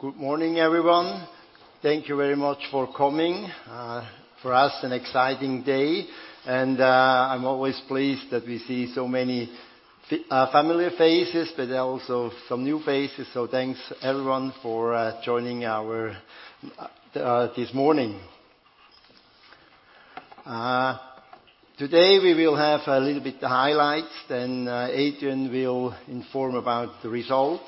Good morning, everyone. Thank you very much for coming. For us, an exciting day, and I'm always pleased that we see so many familiar faces, but also some new faces. Thanks, everyone, for joining this morning. Today, we will have a little bit the highlights, then Adrian will inform about the results.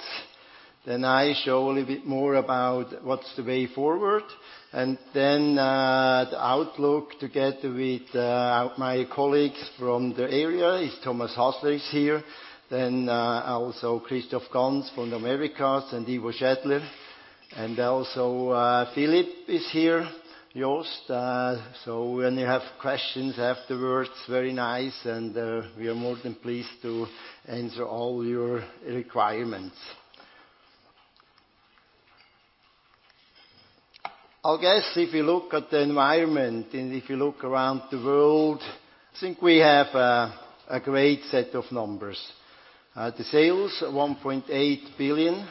Then I show a little bit more about what's the way forward, and then the outlook together with my colleagues from the area, is Thomas Hasler is here, then also Christoph Ganz from the Americas, and Ivo Schädler, and also Philippe is here, Jost. When you have questions afterwards, very nice, and we are more than pleased to answer all your requirements. I guess if you look at the environment and if you look around the world, I think we have a great set of numbers. The sales, 1.8 billion.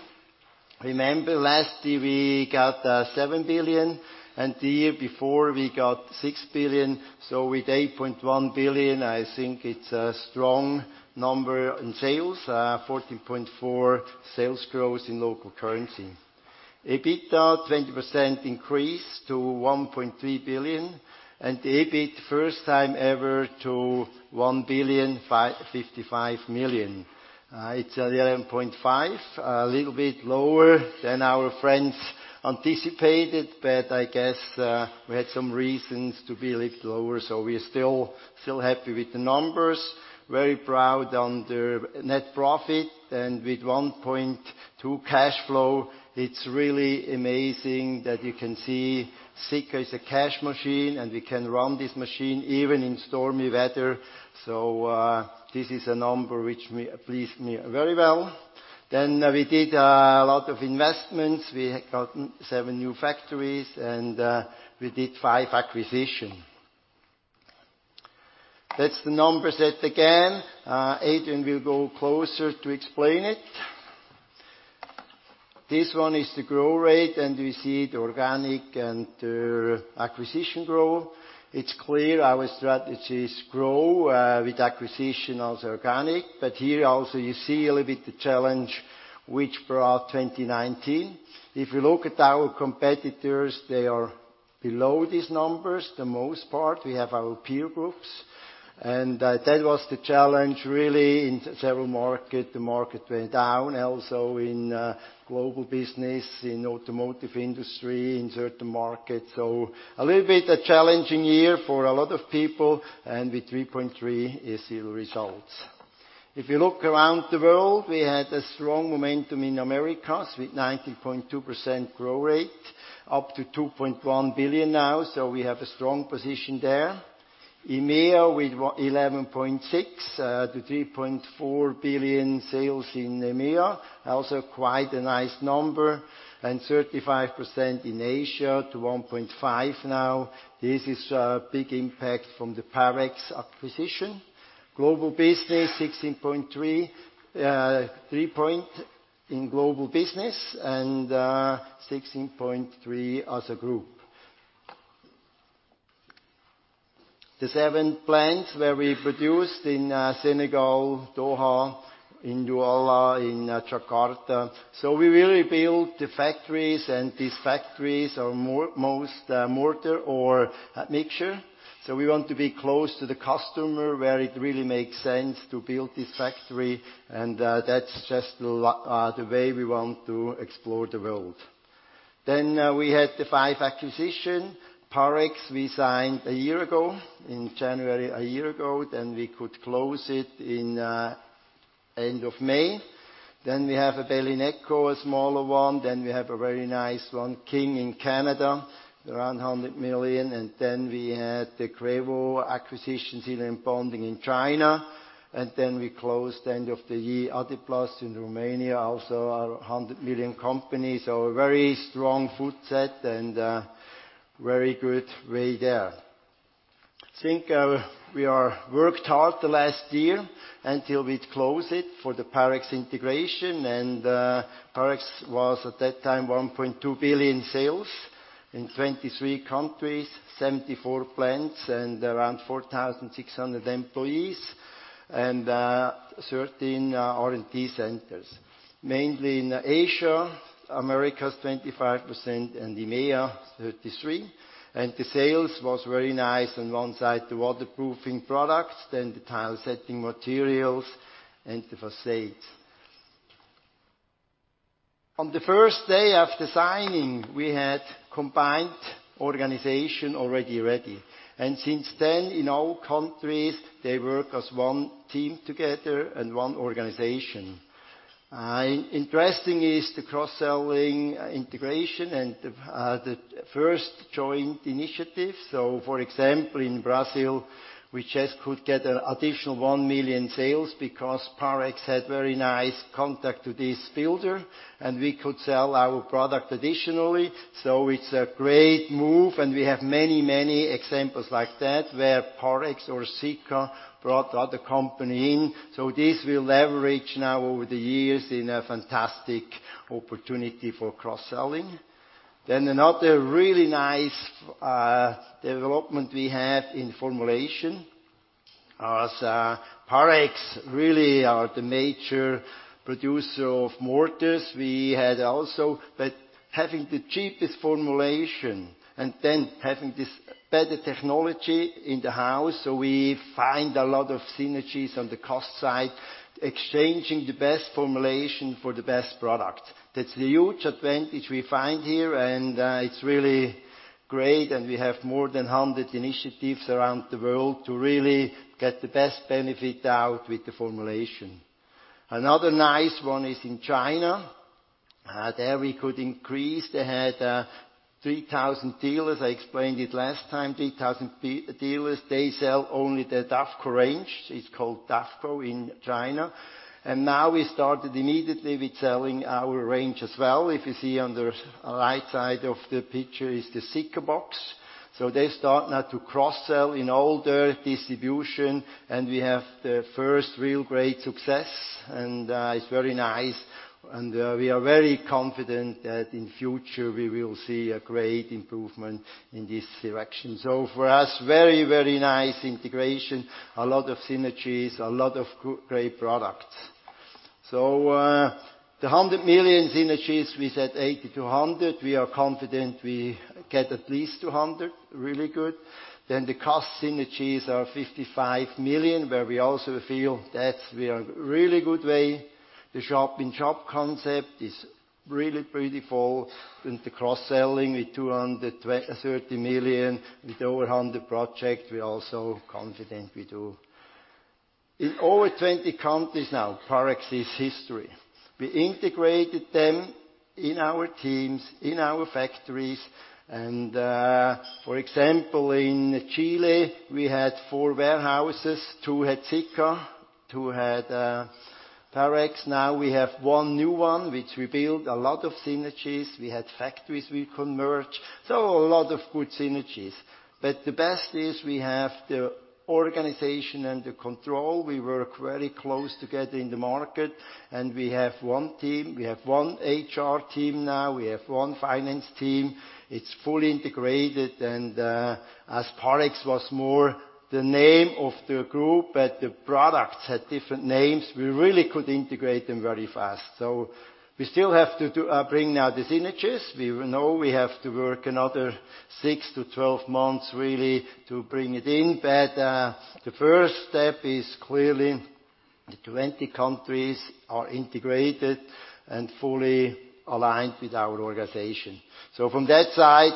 Last year, we got 7 billion, and the year before, we got 6 billion. With 8.1 billion, I think it's a strong number in sales, 14.4% sales growth in local currency. EBITDA, 20% increase to 1.3 billion, and the EBIT first time ever to 1 billion 55 million. It's 11.5%, a little bit lower than our friends anticipated, but I guess we had some reasons to be a little lower, so we're still happy with the numbers. Very proud on the net profit, and with 1.2 billion cash flow, it's really amazing that you can see Sika is a cash machine, and we can run this machine even in stormy weather. This is a number which pleases me very well. We did a lot of investments. We got seven new factories, and we did five acquisitions. That's the number set again. Adrian will go closer to explain it. This one is the growth rate. We see the organic and the acquisition growth. It's clear our strategy is grow with acquisition as organic. Here also you see a little bit the challenge which brought 2019. If you look at our competitors, they are below these numbers, the most part. We have our peer groups. That was the challenge, really, in several markets. The market went down also in global business, in automotive industry, in certain markets. A little bit a challenging year for a lot of people, and with 3.3% is the results. If you look around the world, we had a strong momentum in Americas with 19.2% growth rate, up to 2.1 billion now, so we have a strong position there. EMEA with 11.6-3.4 billion sales in EMEA, also quite a nice number, and 35% in Asia to 1.5 now. Global business, 16.3 in global business and 16.3 as a group. The seven plants where we produced in Senegal, Doha, in Douala, in Jakarta. We really build the factories, and these factories are most mortar or admixture. We want to be close to the customer where it really makes sense to build this factory, and that's just the way we want to explore the world. We had the five acquisitions. Parex, we signed a year ago, in January a year ago, then we could close it in end of May. We have a Belineco, a smaller one. We have a very nice one, King in Canada, around 100 million. Then we had the Crevo acquisitions in bonding in China. Then we closed end of the year, Adeplast in Romania, also a 100 million company. A very strong foot set and a very good way there. I think we are worked hard the last year until we close it for the Parex integration, and Parex was at that time 1.2 billion sales in 23 countries, 74 plants and around 4,600 employees and 13 R&D centers. Mainly in Asia, Americas 25% and EMEA, 33%. The sales was very nice on one side, the waterproofing products, then the tile setting materials and the facades. On the first day after signing, we had combined organization already ready, and since then, in all countries, they work as one team together and one organization. Interesting is the cross-selling integration and the first joint initiative. For example, in Brazil, we just could get additional 1 million sales because Parex had very nice contact to this builder, and we could sell our product additionally. It's a great move, and we have many, many examples like that where Parex or Sika brought the other company in. This will leverage now over the years in a fantastic opportunity for cross-selling. Another really nice development we have in formulation. As Parex really are the major producer of mortars, we had also, but having the cheapest formulation and then having this better technology in the house. We find a lot of synergies on the cost side, exchanging the best formulation for the best product. That's the huge advantage we find here, and it's really great. We have more than 100 initiatives around the world to really get the best benefit out with the formulation. Another nice one is in China. There we could increase. They had 3,000 dealers. I explained it last time, 3,000 dealers, they sell only the Davco range. It's called Davco in China. Now we started immediately with selling our range as well. If you see on the right side of the picture is the Sika box. They start now to cross-sell in all their distribution, and we have the first real great success, and it's very nice. We are very confident that in future we will see a great improvement in this direction. For us, very nice integration, a lot of synergies, a lot of great products. The 100 million synergies, we said 80 million-100 million. We are confident we get at least 200 million. Really good. The cost synergies are 55 million, where we also feel that we are really good way. The shop-in-shop concept is really beautiful. The cross-selling with 230 million with over 100 projects, we are also confident we do. In over 20 countries now, Parex is history. We integrated them in our teams, in our factories. For example, in Chile, we had four warehouses. Two had Sika, two had Parex. Now we have one new one, which we built a lot of synergies. We had factories we converge. A lot of good synergies. The best is we have the organization and the control. We work very close together in the market, and we have one team. We have one HR team now. We have one finance team. It's fully integrated. As Parex was more the name of the group, but the products had different names, we really could integrate them very fast. We still have to do, bring now the synergies. We know we have to work another 6-12 months, really, to bring it in. The first step is clearly the 20 countries are integrated and fully aligned with our organization. From that side,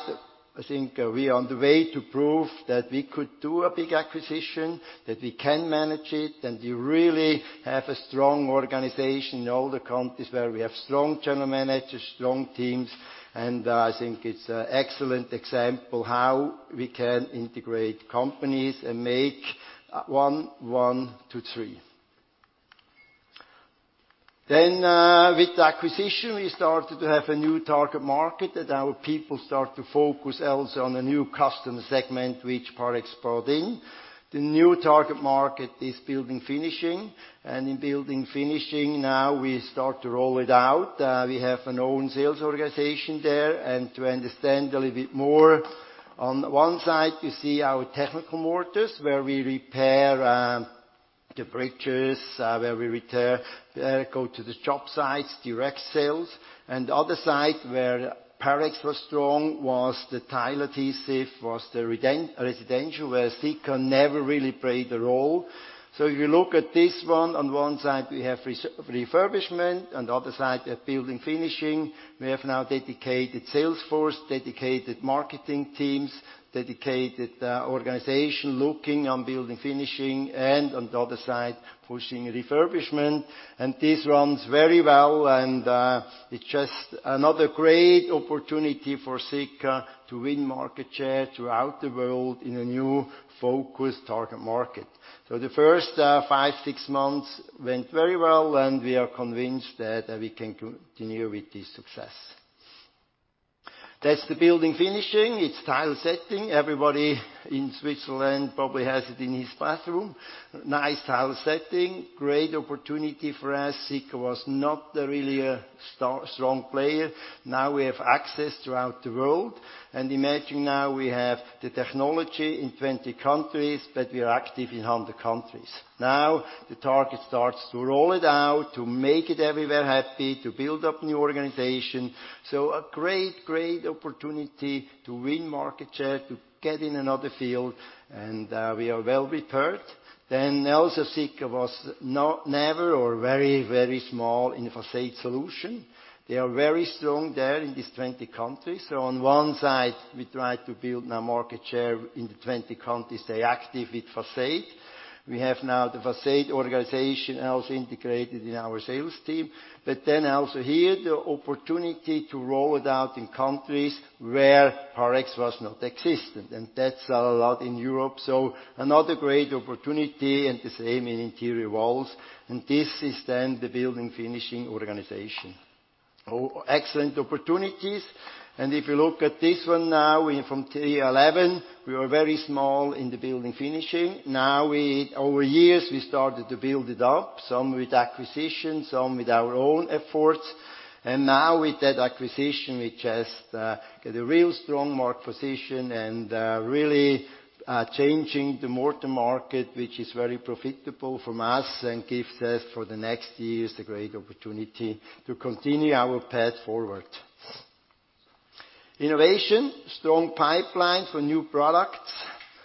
I think we are on the way to prove that we could do a big acquisition, that we can manage it, and we really have a strong organization in all the countries where we have strong general managers, strong teams. I think it's an excellent example how we can integrate companies and make one, one to three. With the acquisition, we started to have a new target market that our people start to focus also on a new customer segment, which Parex brought in. The new target market is building finishing. In building finishing now we start to roll it out. We have an own sales organization there. To understand a little bit more, on one side, you see our technical mortars, where we repair, the bridges, where we return, go to the job sites, direct sales. The other side, where Parex was strong was the tile adhesive, was the residential, where Sika never really played a role. If you look at this one, on one side, we have refurbishment and the other side, we have building finishing. We have now dedicated sales force, dedicated marketing teams, dedicated organization looking on building finishing and on the other side, pushing refurbishment. This runs very well, and it's just another great opportunity for Sika to win market share throughout the world in a new focused target market. The first five, six months went very well, and we are convinced that we can continue with this success. That's the building finishing. It's tile setting. Everybody in Switzerland probably has it in his bathroom. Nice tile setting. Great opportunity for us. Sika was not really a strong player. We have access throughout the world. Imagine now we have the technology in 20 countries, but we are active in 100 countries. The target starts to roll it out, to make it everywhere happy, to build up new organization. A great opportunity to win market share, to get in another field. We are well prepared. Sika was never or very small in façade solution. They are very strong there in these 20 countries. On one side, we try to build now market share in the 20 countries. They active with façade. We have now the façade organization also integrated in our sales team. Also here, the opportunity to roll it out in countries where Parex was not existent, and that's a lot in Europe. Another great opportunity and the same in interior walls. This is the building finishing organization. Excellent opportunities. If you look at this one now from 2011, we were very small in the building finishing. Now over years, we started to build it up, some with acquisition, some with our own efforts. Now with that acquisition, we just get a real strong market position and really changing the mortar market, which is very profitable from us and gives us, for the next years, a great opportunity to continue our path forward. Innovation, strong pipeline for new products.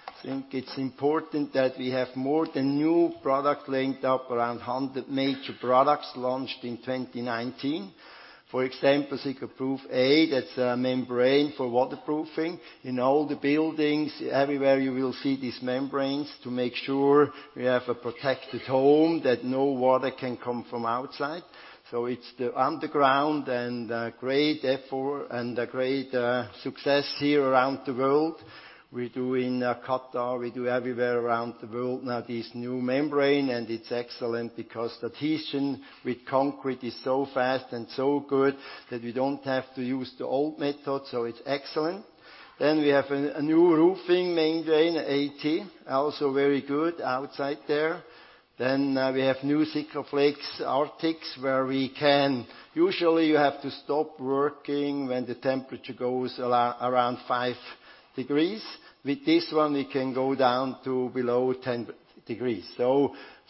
I think it's important that we have more than new product linked up around 100 major products launched in 2019. For example, SikaProof A, that's a membrane for waterproofing. In all the buildings, everywhere you will see these membranes to make sure we have a protected home, that no water can come from outside. It's the underground and great effort and a great success here around the world. We do in Qatar, we do everywhere around the world now this new membrane, and it's excellent because adhesion with concrete is so fast and so good that we don't have to use the old method. It's excellent. We have a new roofing membrane, AT. Also very good outside there. We have new Sikaflex Arctic. Usually, you have to stop working when the temperature goes around 5 degrees. With this one, we can go down to below 10 degrees.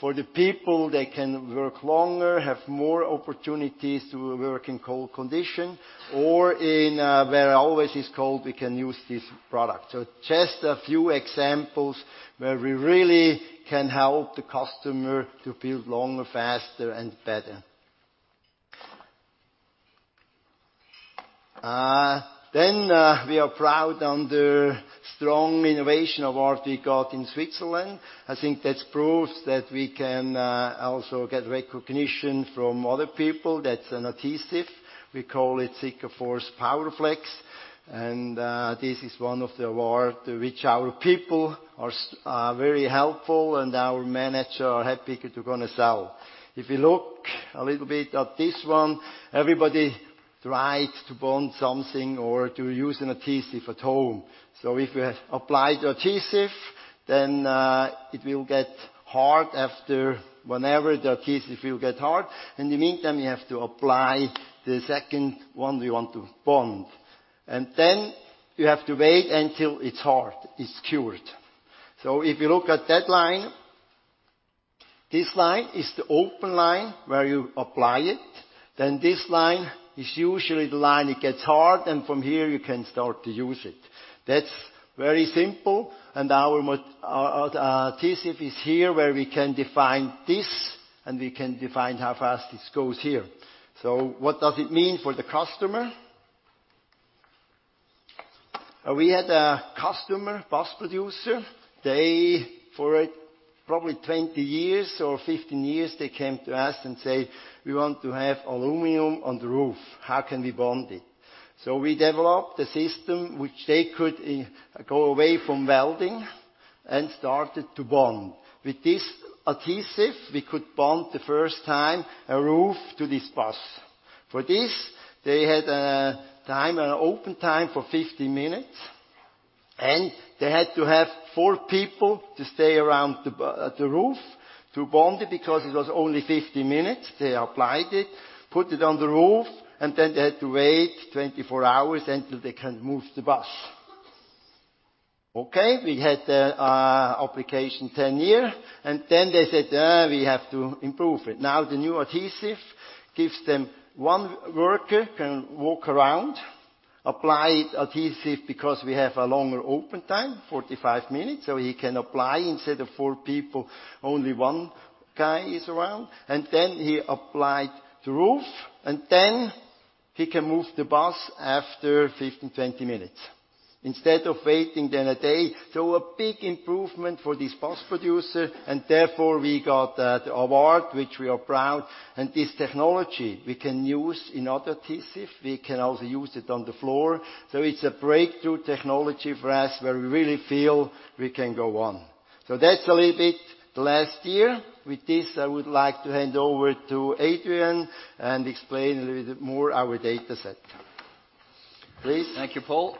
For the people, they can work longer, have more opportunities to work in cold condition or in where always is cold, we can use this product. Just a few examples where we really can help the customer to build longer, faster, and better. We are proud on the strong innovation award we got in Switzerland. I think that proves that we can also get recognition from other people. That's an adhesive. We call it SikaForce® Powerflex, and this is one of the award, which our people are very helpful, and our manager are happy to going to sell. If you look a little bit at this one, everybody tried to bond something or to use an adhesive at home. If you apply the adhesive, then it will get hard after whenever the adhesive will get hard. In the meantime, you have to apply the second one you want to bond. You have to wait until it's hard, it's cured. If you look at that line, this line is the open line where you apply it. This line is usually the line it gets hard, and from here you can start to use it. That's very simple. Our adhesive is here where we can define this, and we can define how fast this goes here. What does it mean for the customer? We had a customer, bus producer. They, for probably 20 years or 15 years, they came to us and say, "We want to have aluminum on the roof. How can we bond it?" We developed a system which they could go away from welding and started to bond. With this adhesive, we could bond the first time a roof to this bus. For this, they had an open time for 50 minutes, and they had to have four people to stay around the roof to bond it because it was only 50 minutes. They applied it, put it on the roof, and then they had to wait 24 hours until they can move the bus. Okay. We had the application 10 year, and then they said, "We have to improve it." Now the new adhesive gives them one worker can walk around, apply adhesive because we have a longer open time, 45 minutes. He can apply. Instead of four people, only one guy is around. He applied the roof, and then he can move the bus after 15 minutes, 20 minutes instead of waiting then a day. A big improvement for this bus producer, and therefore we got that award, which we are proud. This technology we can use in other adhesive. We can also use it on the floor. It's a breakthrough technology for us where we really feel we can go on. That's a little bit the last year. With this, I would like to hand over to Adrian and explain a little bit more our data set. Please. Thank you, Paul.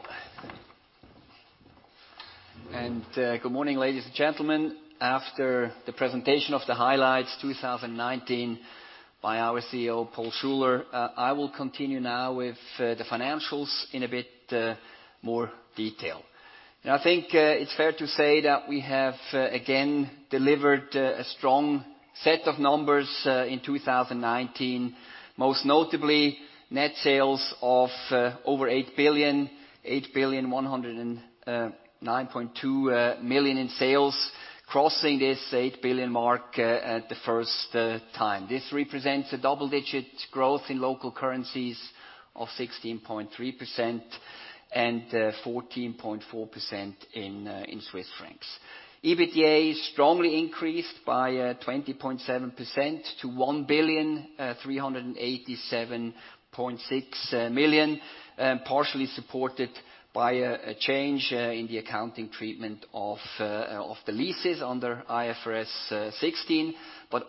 Good morning, ladies and gentlemen. After the presentation of the highlights 2019 by our CEO, Paul Schuler, I will continue now with the financials in a bit more detail. I think it's fair to say that we have again delivered a strong set of numbers in 2019, most notably net sales of over 8 billion, 8,109,200,000 in sales, crossing this 8 billion mark the first time. This represents a double-digit growth in local currencies of 16.3% and 14.4% in Swiss Franc. EBITDA is strongly increased by 20.7% to 1,387,600,000, partially supported by a change in the accounting treatment of the leases under IFRS 16.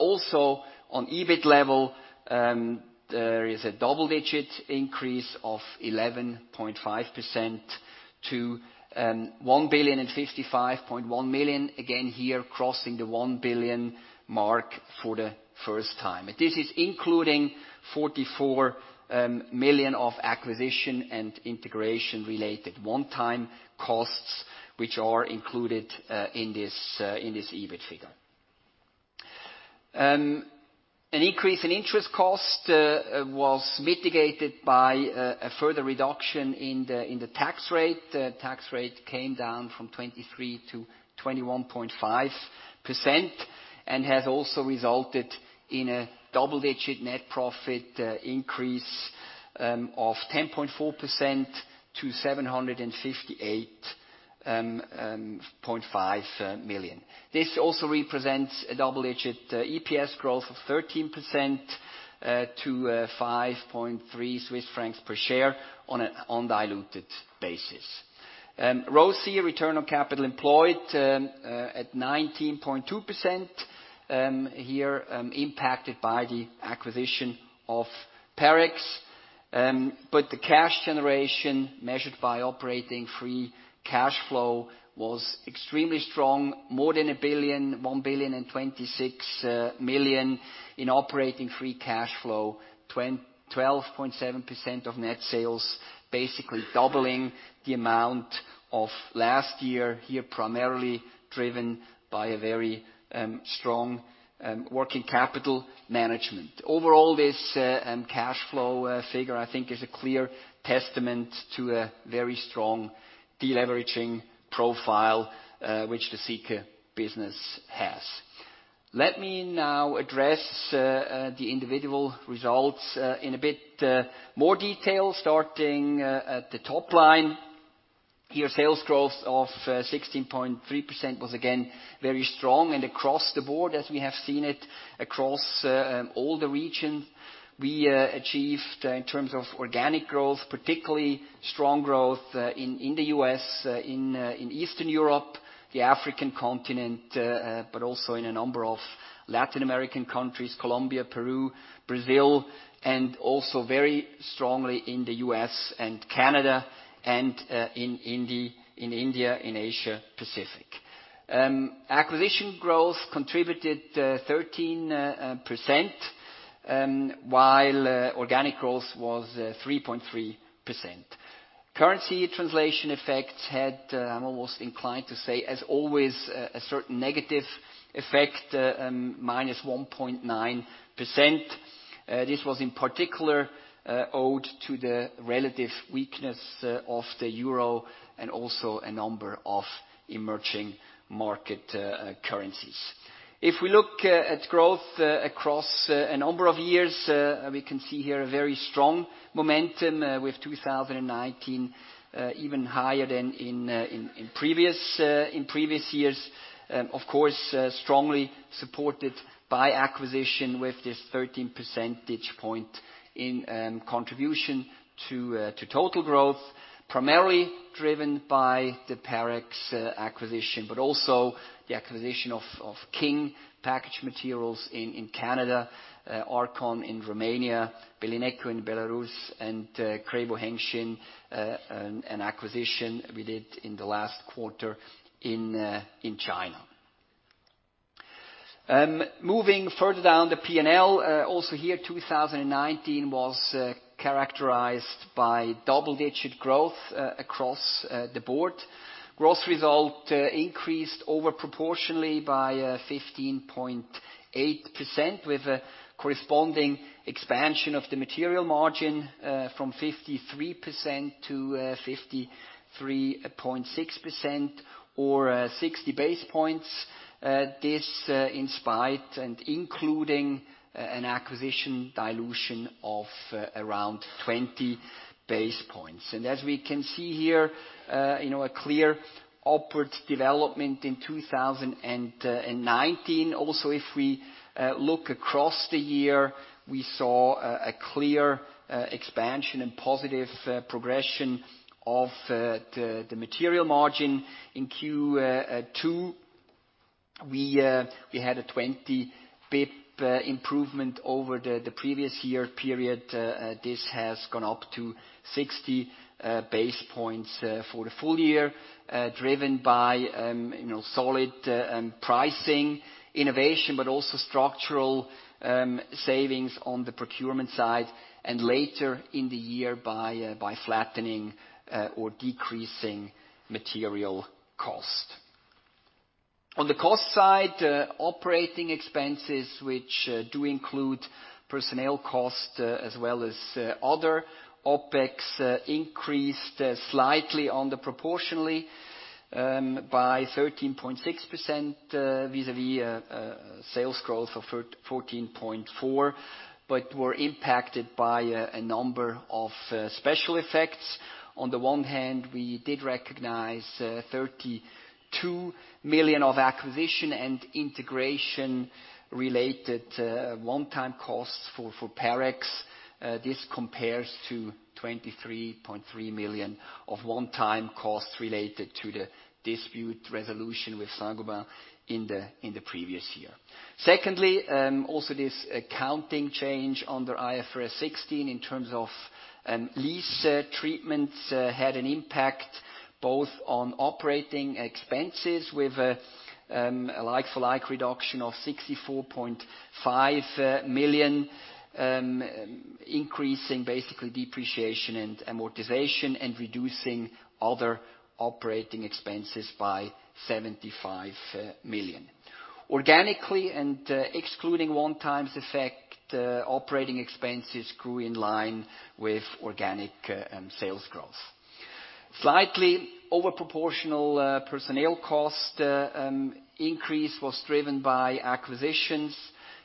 Also on EBIT level, there is a double-digit increase of 11.5% to 1,055,100,000. Again here, crossing the 1 billion mark for the first time. This is including 44 million of acquisition and integration related one-time costs, which are included in this EBIT figure. An increase in interest cost was mitigated by a further reduction in the tax rate. Tax rate came down from 23%-21.5%. It has also resulted in a double-digit net profit increase of 10.4% to 758.5 million. This also represents a double-digit EPS growth of 13% to 5.3 Swiss francs per share on an undiluted basis. ROCE, return on capital employed at 19.2%. Here, impacted by the acquisition of Parex. The cash generation measured by operating free cash flow was extremely strong, more than 1,026,000,000 in operating free cash flow, 12.7% of net sales, basically doubling the amount of last year. Here, primarily driven by a very strong working capital management. Overall, this cash flow figure, I think is a clear testament to a very strong deleveraging profile, which the Sika business has. Let me now address the individual results in a bit more detail, starting at the top line. Here, sales growth of 16.3% was again very strong and across the board, as we have seen it across all the region. We achieved in terms of organic growth, particularly strong growth in the U.S., in Eastern Europe, the African continent, but also in a number of Latin American countries, Colombia, Peru, Brazil, and also very strongly in the U.S. and Canada and in India, in Asia Pacific. Acquisition growth contributed 13%, while organic growth was 3.3%. Currency translation effects had, I'm almost inclined to say, as always, a certain negative effect, minus 1.9%. This was in particular owed to the relative weakness of the euro and also a number of emerging market currencies. If we look at growth across a number of years, we can see here a very strong momentum with 2019, even higher than in previous years. Of course, strongly supported by acquisition with this 13 percentage point in contribution to total growth, primarily driven by the Parex acquisition, but also the acquisition of King Packaged Materials in Canada, Arcon in Romania, Belineco in Belarus, and Crevo-Hengshui, an acquisition we did in the last quarter in China. Moving further down the P&L. Also here, 2019 was characterized by double-digit growth across the board. Gross result increased over proportionally by 15.8% with a corresponding expansion of the material margin, from 53% to 53.6% or 60 base points. This in spite and including an acquisition dilution of around 20 base points. As we can see here, a clear upward development in 2019. If we look across the year, we saw a clear expansion and positive progression of the material margin. In Q2, we had a 20 pip improvement over the previous year period. This has gone up to 60 basis points for the full year, driven by solid pricing innovation, but also structural savings on the procurement side, and later in the year by flattening or decreasing material cost. On the cost side, operating expenses, which do include personnel cost as well as other OpEx increased slightly under proportionally by 13.6% vis-à-vis sales growth of 14.4%, but were impacted by a number of special effects. On the one hand, we did recognize 32 million of acquisition and integration-related one-time costs for Parex. This compares to 23.3 million of one-time costs related to the dispute resolution with Saint-Gobain in the previous year. Secondly, also this accounting change under IFRS 16 in terms of lease treatments had an impact. Both on operating expenses with a like-for-like reduction of 64.5 million, increasing basically depreciation and amortization and reducing other operating expenses by 75 million. Organically and excluding one-time effect, operating expenses grew in line with organic sales growth. Slightly over-proportional personnel cost increase was driven by acquisitions,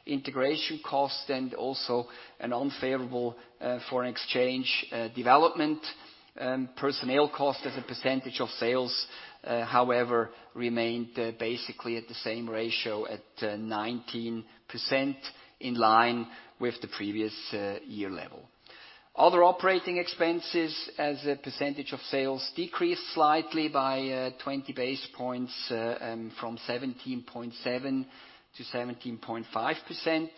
integration costs, and also an unfavorable foreign exchange development. Personnel cost as a percentage of sales, however, remained basically at the same ratio at 19%, in line with the previous year level. Other operating expenses as a percentage of sales decreased slightly by 20 basis points from 17.7%-17.5%.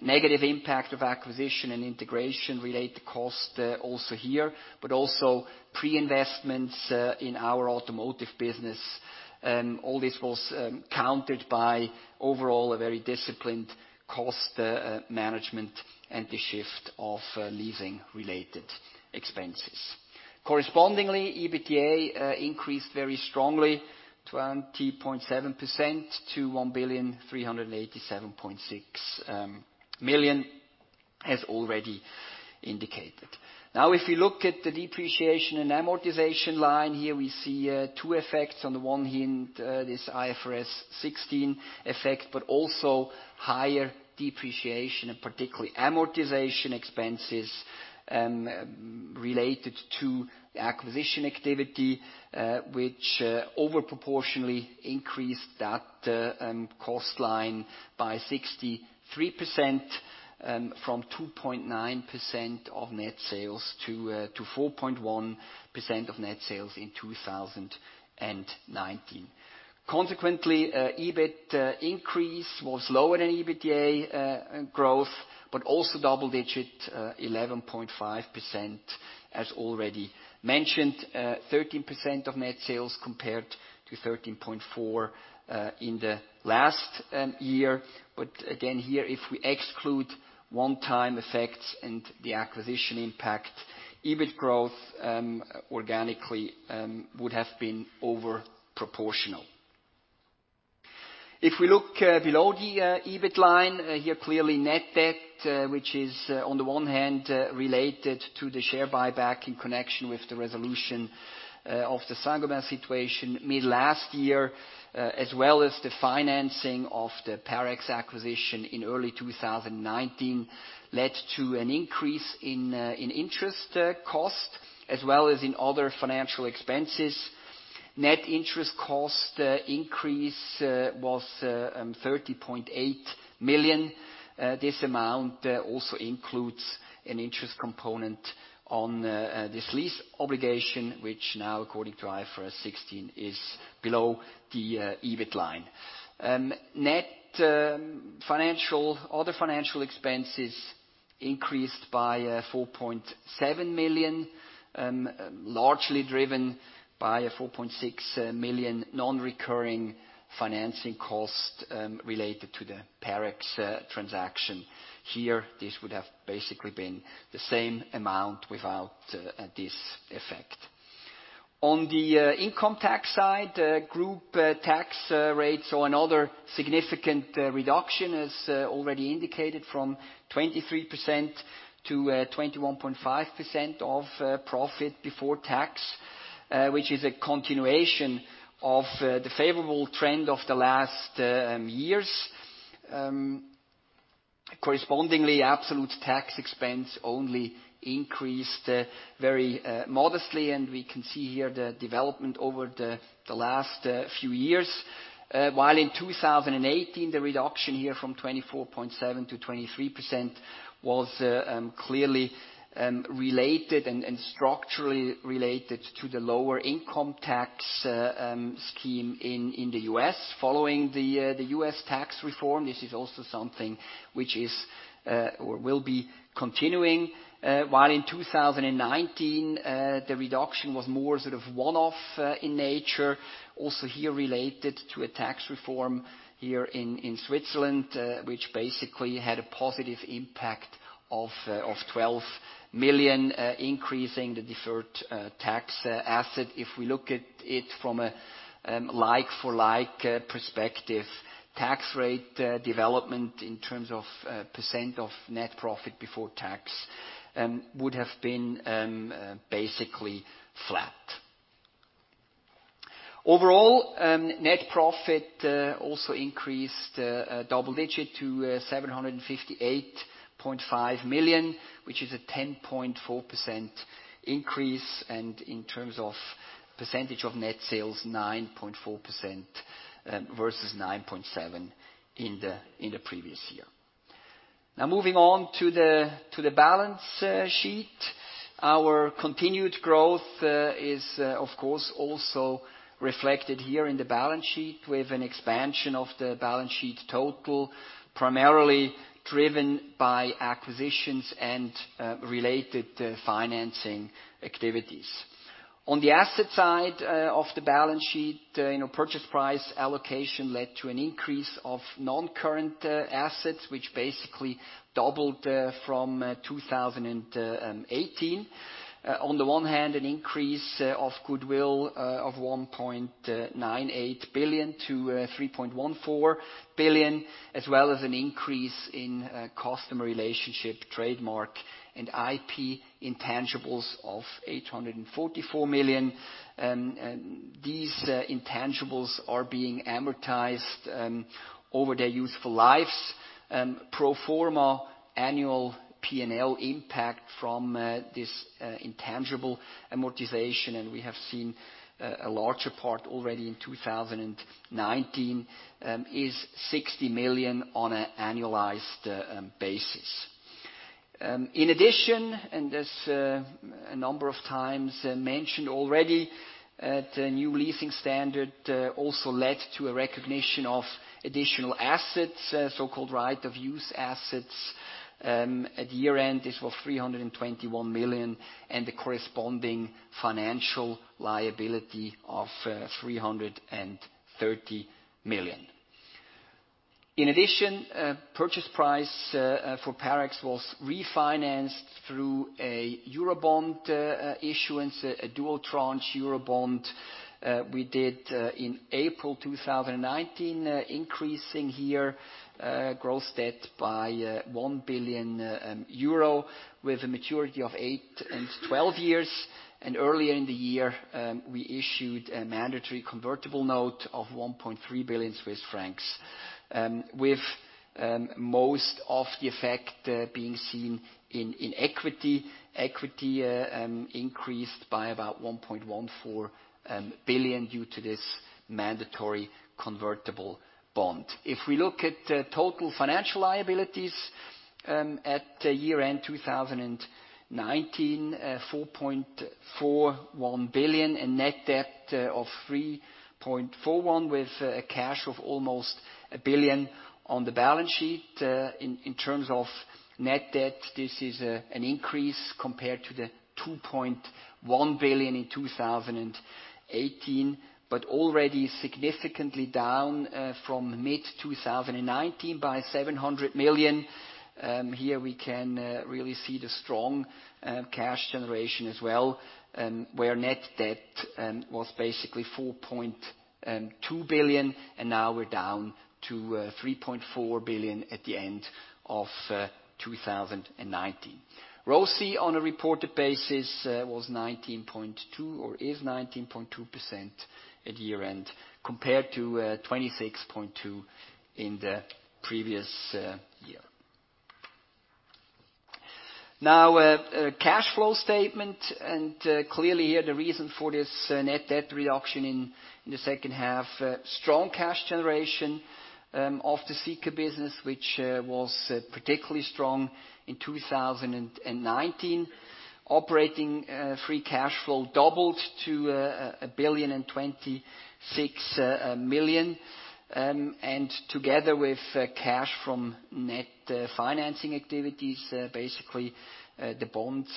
Negative impact of acquisition and integration-related costs also here, but also pre-investments in our automotive business. All this was countered by overall a very disciplined cost management and the shift of leasing related expenses. Correspondingly, EBITDA increased very strongly, 20.7% to 1,387,600,000 as already indicated. If we look at the depreciation and amortization line here, we see two effects. On the one hand, this IFRS 16 effect, but also higher depreciation and particularly amortization expenses related to the acquisition activity, which over proportionally increased that cost line by 63% from 2.9% of net sales to 4.1% of net sales in 2019. EBIT increase was lower than EBITDA growth, but also double-digit 11.5% as already mentioned, 13% of net sales compared to 13.4% in the last year. Again here, if we exclude one time effects and the acquisition impact, EBIT growth organically would have been over proportional. If we look below the EBIT line, here clearly net debt, which is on the one hand related to the share buyback in connection with the resolution of the Saint-Gobain situation mid last year, as well as the financing of the Parex acquisition in early 2019 led to an increase in interest cost, as well as in other financial expenses. Net interest cost increase was 30.8 million. This amount also includes an interest component on this lease obligation, which now according to IFRS 16 is below the EBIT line. Other financial expenses increased by 4.7 million, largely driven by a 4.6 million non-recurring financing cost related to the Parex transaction. Here, this would have basically been the same amount without this effect. On the income tax side, group tax rates saw another significant reduction as already indicated from 23% to 21.5% of profit before tax, which is a continuation of the favorable trend of the last years. Correspondingly, absolute tax expense only increased very modestly, and we can see here the development over the last few years. While in 2018, the reduction here from 24.7%-23% was clearly related and structurally related to the lower income tax scheme in the U.S. following the U.S. tax reform. This is also something which will be continuing. While in 2019, the reduction was more one-off in nature, also here related to a tax reform here in Switzerland, which basically had a positive impact of 12 million, increasing the deferred tax asset. If we look at it from a like-for-like perspective, tax rate development in terms of percent of net profit before tax would have been basically flat. Overall, net profit also increased double digit to 758.5 million, which is a 10.4% increase, and in terms of percentage of net sales, 9.4% versus 9.7% in the previous year. Moving on to the balance sheet. Our continued growth is, of course, also reflected here in the balance sheet with an expansion of the balance sheet total, primarily driven by acquisitions and related financing activities. On the asset side of the balance sheet, purchase price allocation led to an increase of non-current assets, which basically doubled from 2018. On the one hand, an increase of goodwill of 1.98 billion-3.14 billion, as well as an increase in customer relationship trademark and IP intangibles of 844 million. These intangibles are being amortized over their useful lives. Pro forma annual P&L impact from this intangible amortization, and we have seen a larger part already in 2019, is 60 million on an annualized basis. In addition, and as a number of times mentioned already, the new leasing standard also led to a recognition of additional assets, so-called right-of-use assets. At year-end, this was 321 million, and the corresponding financial liability of 330 million. In addition, purchase price for Parex was refinanced through a Eurobond issuance, a dual tranche Eurobond we did in April 2019, increasing here gross debt by 1 billion euro with a maturity of eight and 12 years. Earlier in the year, we issued a mandatory convertible note of 1.3 billion Swiss francs, with most of the effect being seen in equity. Equity increased by about 1.14 billion due to this mandatory convertible bond. If we look at total financial liabilities at year-end 2019, 4.41 billion and net debt of 3.41 billion with a cash of almost 1 billion on the balance sheet. In terms of net debt, this is an increase compared to the 2.1 billion in 2018, but already significantly down from mid-2019 by 700 million. Here, we can really see the strong cash generation as well, where net debt was basically 4.2 billion, and now we're down to 3.4 billion at the end of 2019. ROCE on a reported basis was 19.2%, or is 19.2% at year-end, compared to 26.2% in the previous year. Cash flow statement, clearly here, the reason for this net debt reduction in the second half, strong cash generation of the Sika business, which was particularly strong in 2019. Operating free cash flow doubled to 1,026,000,000 and together with cash from net financing activities, basically the bonds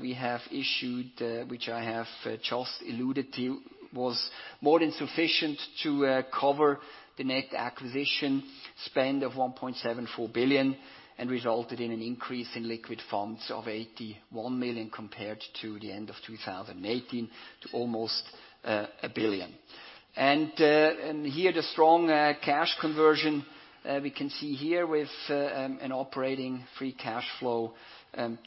we have issued, which I have just alluded to, was more than sufficient to cover the net acquisition spend of 1.74 billion and resulted in an increase in liquid funds of 81 million compared to the end of 2018 to almost 1 billion. Here, the strong cash conversion we can see here with an operating free cash flow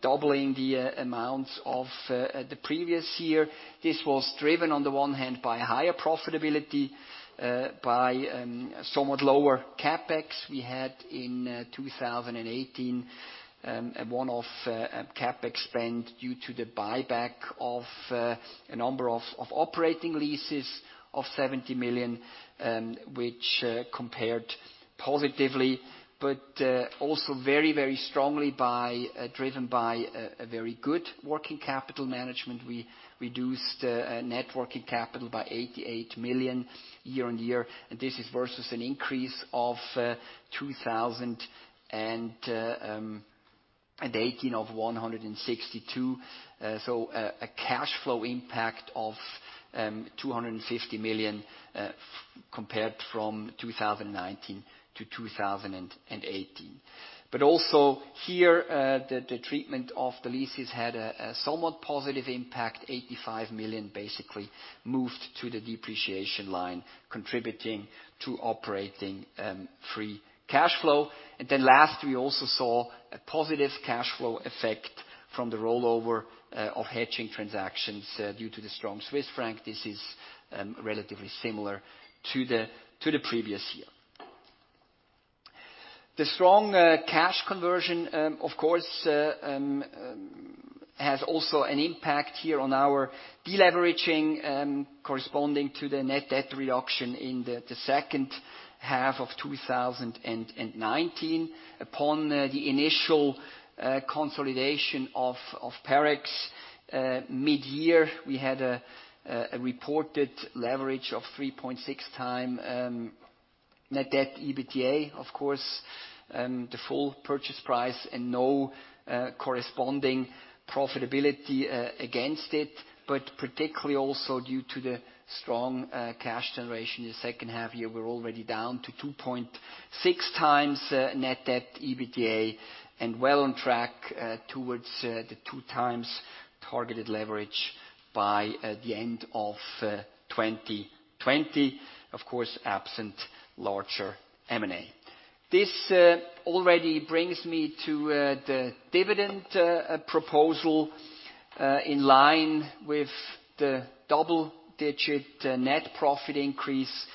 doubling the amount of the previous year. This was driven, on the one hand, by higher profitability, by somewhat lower CapEx we had in 2018, one-off CapEx spend due to the buyback of a number of operating leases of 70 million, which compared positively, but also very, very strongly driven by a very good working capital management. We reduced net working capital by 88 million year-on-year. This is versus an increase of 2018 of 162. A cash flow impact of 250 million compared from 2019-2018. Also here, the treatment of the leases had a somewhat positive impact, 85 million basically moved to the depreciation line, contributing to operating free cash flow. Last, we also saw a positive cash flow effect from the rollover of hedging transactions due to the strong Swiss franc. This is relatively similar to the previous year. The strong cash conversion, of course, has also an impact here on our deleveraging corresponding to the net debt reduction in the second half of 2019. Upon the initial consolidation of Parex mid-year, we had a reported leverage of 3.6x net debt to EBITDA, of course, the full purchase price and no corresponding profitability against it. Particularly also due to the strong cash generation in the second half year, we're already down to 2.6x net debt to EBITDA and well on track towards the two times targeted leverage by the end of 2020, of course, absent larger M&A. This already brings me to the dividend proposal in line with the double-digit net profit increase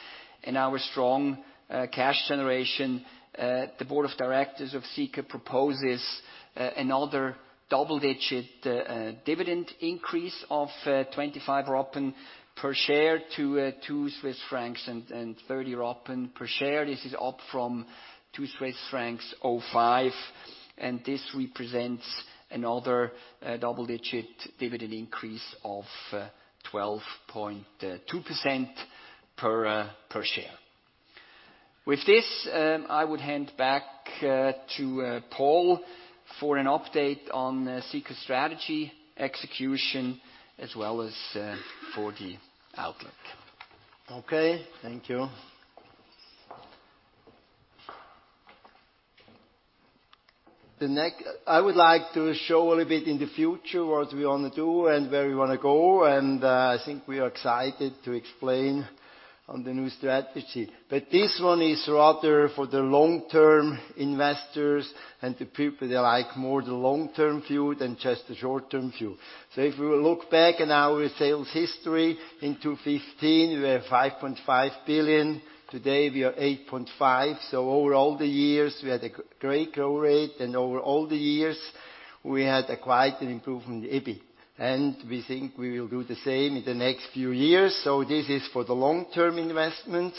and our strong cash generation. The board of directors of Sika proposes another double-digit dividend increase of 0.25 per share-CHF 2.30 per share. This is up from 2.05 Swiss francs, and this represents another double-digit dividend increase of 12.2% per share. With this, I would hand back to Paul for an update on Sika's strategy execution as well as for the outlook. Okay, thank you. I would like to show a little bit in the future what we want to do and where we want to go, I think we are excited to explain on the new strategy. This one is rather for the long-term investors and the people that like more the long-term view than just the short-term view. If we look back on our sales history, in 2015, we were 5.5 billion. Today, we are 8.5 billion. Over all the years, we had a great growth rate, over all the years, we had a quite an improvement in EBIT. We think we will do the same in the next few years. This is for the long-term investments.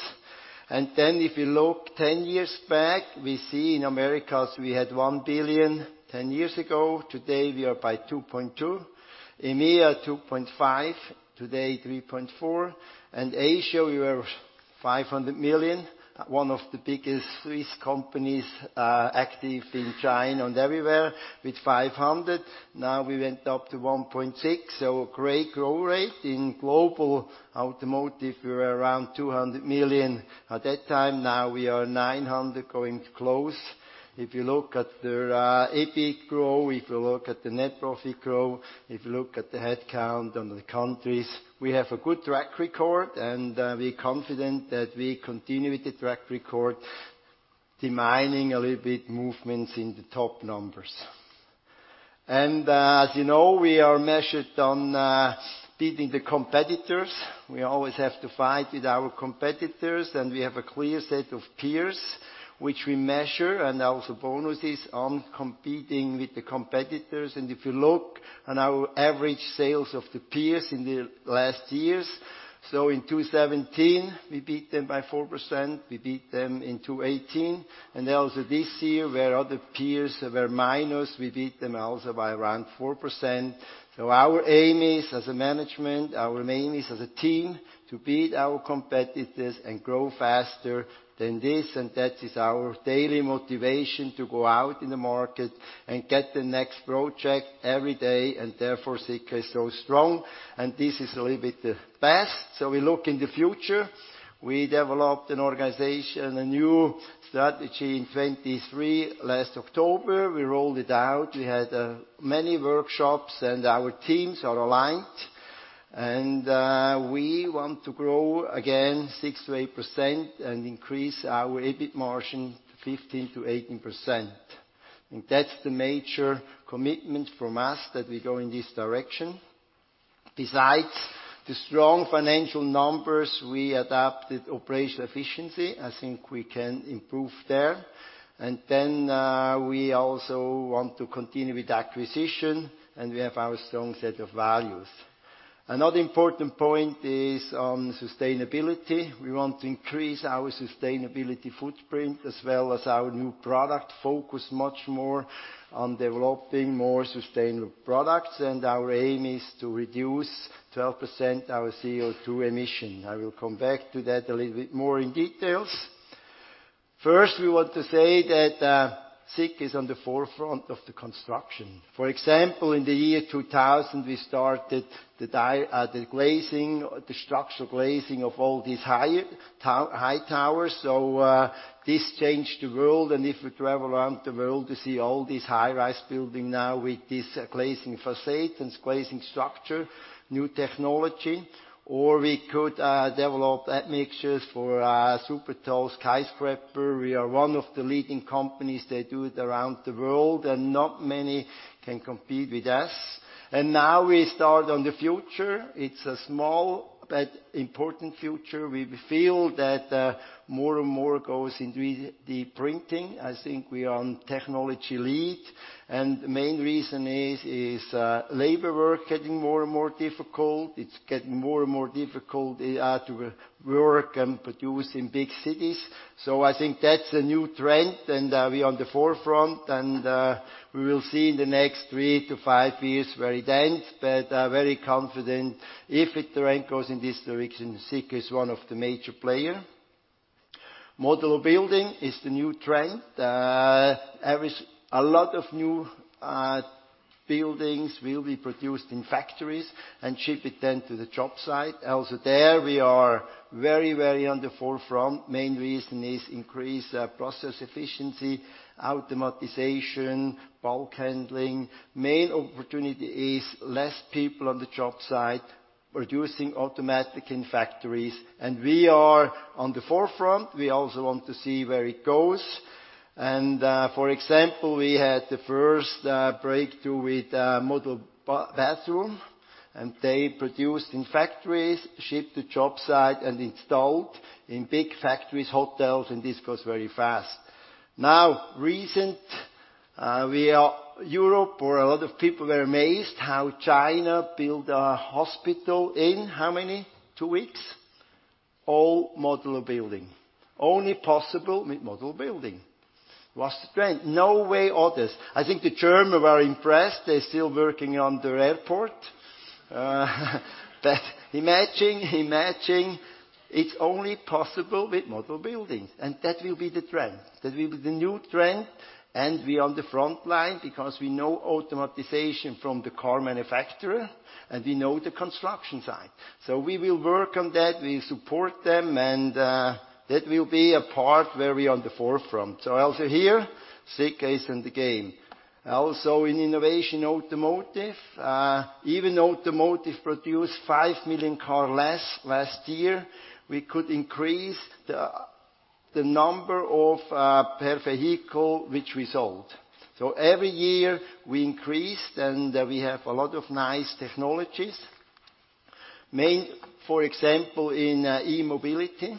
If you look 10 years back, we see in Americas, we had 1 billion 10 years ago. Today, we are by 2.2 billion. EMEA, 2.5 billion, today 3.4 billion. Asia, we were 500 million, one of the biggest Swiss companies active in China and everywhere with 500 million. Now we went up to 1.6 billion, a great growth rate. In global automotive, we were around 200 million at that time. Now we are 900 million, going close. If you look at their EBIT grow, if you look at the net profit grow, if you look at the headcount and the countries, we have a good track record and we're confident that we continue with the track record, demanding a little bit movements in the top numbers. As you know, we are measured on beating the competitors. We always have to fight with our competitors, and we have a clear set of peers which we measure, and also bonuses on competing with the competitors. If you look on our average sales of the peers in the last years, in 2017, we beat them by 4%, we beat them in 2018, and also this year, where other peers were minus, we beat them also by around 4%. Our aim is, as a management, our aim is as a team to beat our competitors and grow faster than this. That is our daily motivation to go out in the market and get the next project every day, and therefore Sika is so strong. This is a little bit the past. We look in the future. We developed an organization, a new strategy in 2023. Last October, we rolled it out. We had many workshops, and our teams are aligned. We want to grow again 6%-8% and increase our EBIT margin to 15%-18%. That's the major commitment from us that we go in this direction. Besides the strong financial numbers, we adapted operational efficiency. I think we can improve there. We also want to continue with acquisition, and we have our strong set of values. Another important point is on sustainability. We want to increase our sustainability footprint as well as our new product focus much more on developing more sustainable products. Our aim is to reduce 12% our CO2 emission. I will come back to that a little bit more in details. First, we want to say that Sika is on the forefront of the construction. For example, in the year 2000, we started the structural glazing of all these high towers. This changed the world, and if we travel around the world to see all these high-rise building now with this glazing facade and glazing structure, new technology. We could develop admixtures for super tall skyscraper. We are one of the leading companies that do it around the world, and not many can compete with us. Now we start on the future. It's a small but important future. We feel that more and more goes into 3D printing. I think we are on technology lead. The main reason is labor work getting more and more difficult. It's getting more and more difficult to work and produce in big cities. I think that's a new trend, and we are on the forefront, and we will see in the next three to five years very dense, but very confident. If the trend goes in this direction, Sika is one of the major player. Modular building is the new trend. A lot of new buildings will be produced in factories and shipped then to the job site. Also there, we are very on the forefront. Main reason is increased process efficiency, automatization, bulk handling. Main opportunity is less people on the job site, producing automatic in factories. We are on the forefront. We also want to see where it goes. For example, we had the first breakthrough with modular bathroom, and they produced in factories, shipped to job site, and installed in big factories, hotels, and this goes very fast. Now, recently, Europe or a lot of people were amazed how China built a hospital in how many? Two weeks. All Modular building. Only possible with Modular building, was the trend. No way others. I think the Germans were impressed. They're still working on their airport. Imagine it's only possible with modular buildings, and that will be the trend. That will be the new trend, and we are on the front line because we know automatization from the car manufacturer, and we know the construction site. We will work on that, we support them, and that will be a part where we are on the forefront. Also here, Sika is in the game. Also in innovation automotive. Even automotive produced 5 million car less last year, we could increase the content per vehicle which we sold. Every year, we increased, and we have a lot of nice technologies. For example, in e-mobility,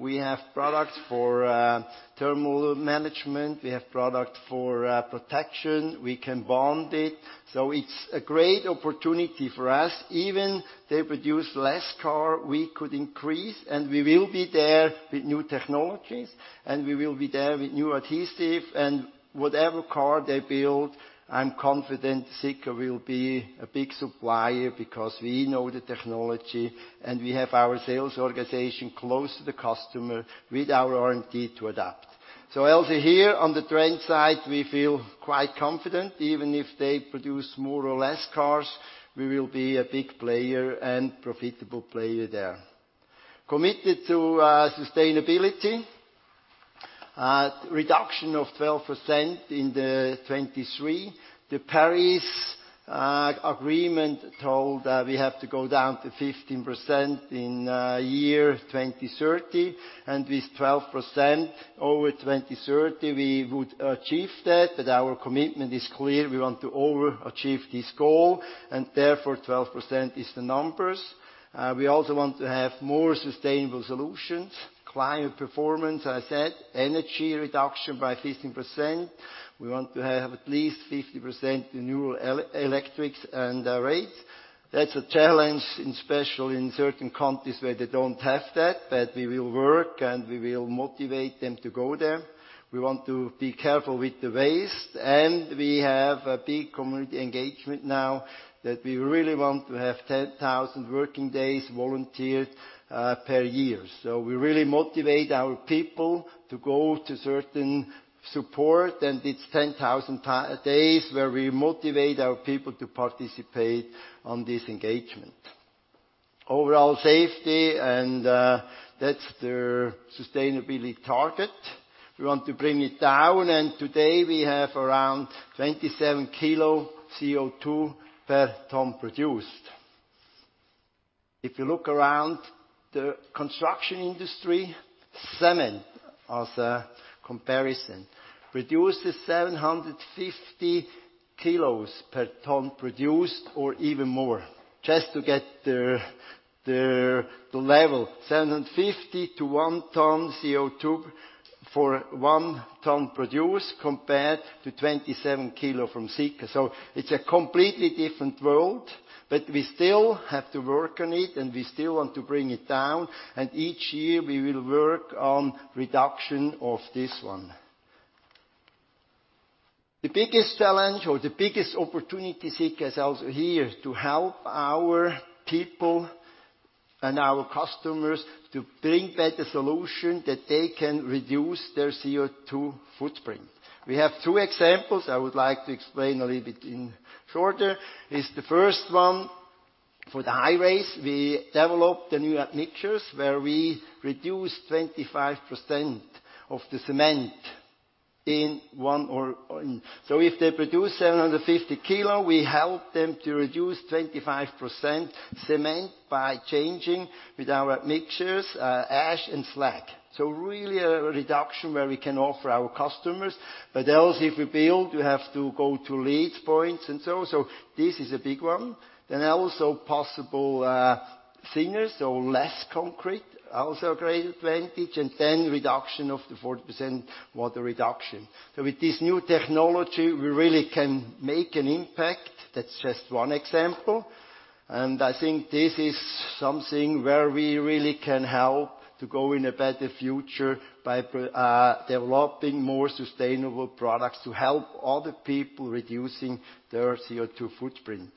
we have products for thermal management. We have product for protection. We can bond it. It's a great opportunity for us. Even they produce less car, we could increase, and we will be there with new technologies, and we will be there with new adhesive and whatever car they build, I'm confident Sika will be a big supplier because we know the technology, and we have our sales organization close to the customer with our R&D to adapt. Also here on the trend side, we feel quite confident. Even if they produce more or less cars, we will be a big player and profitable player there. Committed to sustainability. Reduction of 12% in the 2023. The Paris Agreement told we have to go down to 15% in year 2030, and with 12% over 2030, we would achieve that. Our commitment is clear. We want to overachieve this goal, and therefore, 12% is the numbers. We also want to have more sustainable solutions. Climate performance, as I said, energy reduction by 15%. We want to have at least 50% renewable electrics and rates. That's a challenge, especially in certain countries where they don't have that, but we will work, and we will motivate them to go there. We want to be careful with the waste, and we have a big community engagement now that we really want to have 10,000 working days volunteered per year. We really motivate our people to go to certain support, and it's 10,000 days where we motivate our people to participate on this engagement. Overall safety, and that's their sustainability target. We want to bring it down, and today, we have around 27 kg CO2 per ton produced. If you look around the construction industry, cement, as a comparison, produces 750 kg per ton produced or even more. Just to get the level, 750kg-1 ton CO2 for 1 ton produced compared to 27 kg from Sika. It's a completely different world, but we still have to work on it, and we still want to bring it down, and each year, we will work on reduction of this one. The biggest challenge or the biggest opportunity Sika has also here is to help our people and our customers to bring better solution that they can reduce their CO2 footprint. We have two examples I would like to explain a little bit in shorter, is the first one for the highways. We developed the new mixtures where we reduce 25% of the cement in one or if they produce 750 kg, we help them to reduce 25% cement by changing with our mixtures, ash and slag. Really a reduction where we can offer our customers. Also, if we build, we have to go to LEED points and so on. This is a big one. Also possible thinner, so less concrete, also a great advantage, and then reduction of the 40% water reduction. With this new technology, we really can make an impact. That's just one example. I think this is something where we really can help to go in a better future by developing more sustainable products to help other people reducing their CO2 footprint.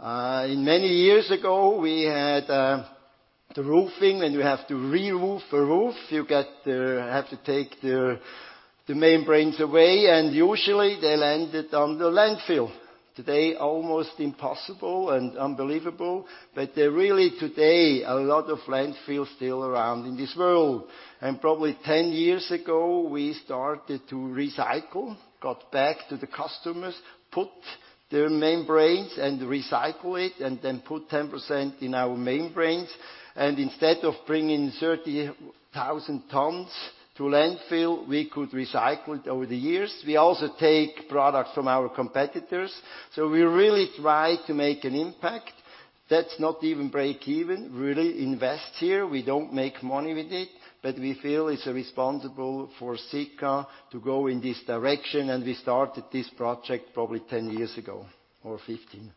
Many years ago, we had the roofing. When you have to reroof a roof, you have to take the membranes away, and usually they landed on the landfill. Today, almost impossible and unbelievable, but really today, a lot of landfills still around in this world. Probably 10 years ago, we started to recycle, got back to the customers, put their membranes and recycle it, then put 10% in our membranes. Instead of bringing 30,000 tons to landfill, we could recycle it over the years. We also take products from our competitors. We really try to make an impact. That's not even break even, really invest here. We don't make money with it, but we feel it's responsible for Sika to go in this direction, and we started this project probably 10 years ago, or 15 years.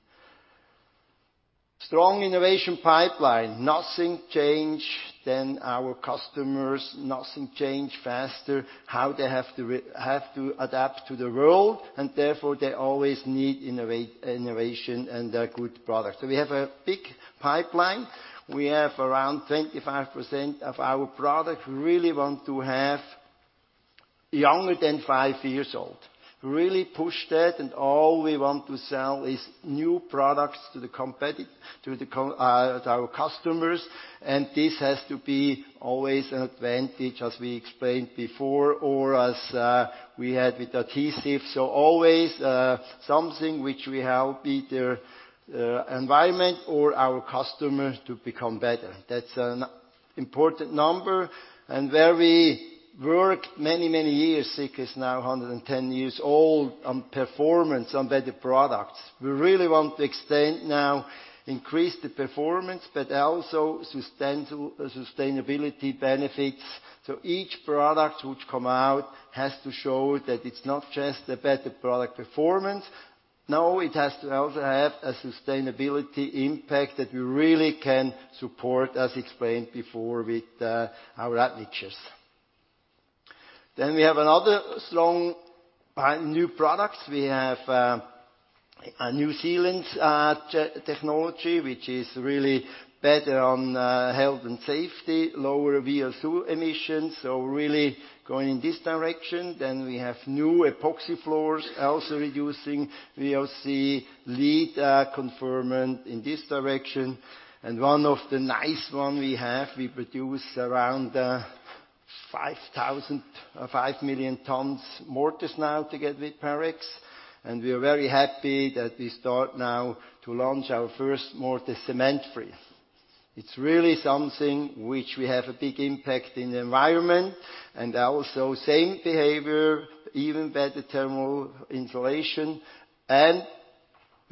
Strong innovation pipeline. Nothing change than our customers, nothing change faster how they have to adapt to the world, and therefore, they always need innovation and a good product. We have a big pipeline. We have around 25% of our product we really want to have younger than five years old. Really push that. All we want to sell is new products to our customers, and this has to be always an advantage, as we explained before, or as we had with adhesive. Always something which will help either environment or our customer to become better. That's an important number. Where we worked many, many years, Sika is now 110 years old, on performance on better products. We really want to extend now, increase the performance, but also sustainability benefits. Each product which come out has to show that it's not just a better product performance. No, it has to also have a sustainability impact that we really can support, as explained before with our admixtures. We have another strong new products. We have a new sealants technology, which is really better on health and safety, lower VOC emissions, so really going in this direction. We have new epoxy floors, also reducing VOC LEED confirmance in this direction. One of the nice one we have, we produce around 5 million tons mortars now together with Parex. We are very happy that we start now to launch our first mortar cement-free. It's really something which we have a big impact in the environment, and also same behavior, even better thermal insulation and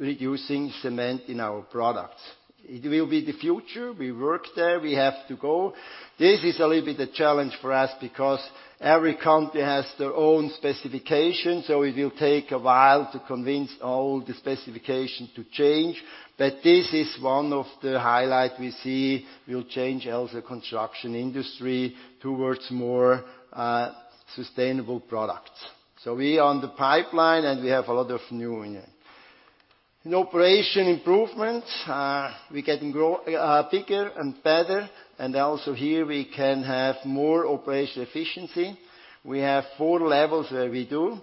reducing cement in our products. It will be the future. We work there. We have to go. This is a little bit a challenge for us because every country has their own specifications, so it will take a while to convince all the specification to change. This is one of the highlight we see will change also construction industry towards more sustainable products. We on the pipeline, and we have a lot of new in here. In operation improvements, we getting bigger and better, and also here we can have more operational efficiency. We have four levels where we do.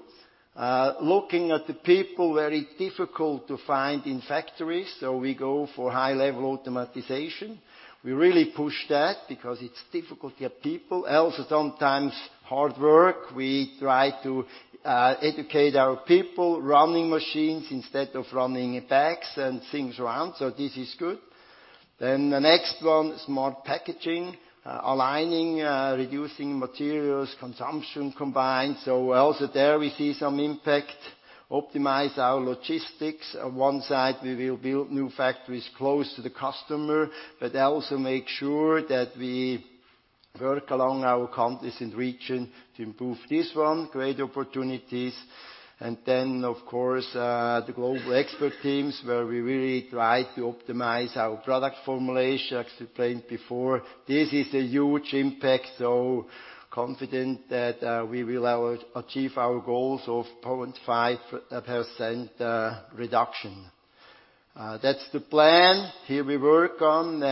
Looking at the people, very difficult to find in factories. We go for high-level automatization. We really push that because it's difficult to get people, also sometimes hard work. We try to educate our people, running machines instead of running bags and things around. This is good. The next one, smart packaging, aligning, reducing materials, consumption combined. Also there, we see some impact. We optimize our logistics. On one side, we will build new factories close to the customer. Also make sure that we work along our countries and region to improve this one. Great opportunities. Of course, the global expert teams, where we really try to optimize our product formulation, as explained before. This is a huge impact. Confident that we will achieve our goals of 0.5% reduction. That's the plan. Here we work on.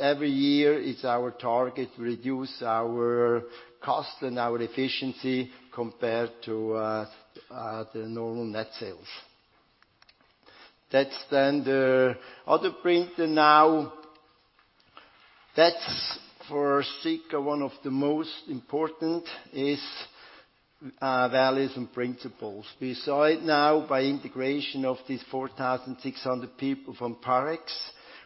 Every year it's our target to reduce our cost and our efficiency compared to the normal net sales. That's then the other pillar now. That's for Sika, one of the most important is values and principles. We saw it now by integration of these 4,600 people from Parex.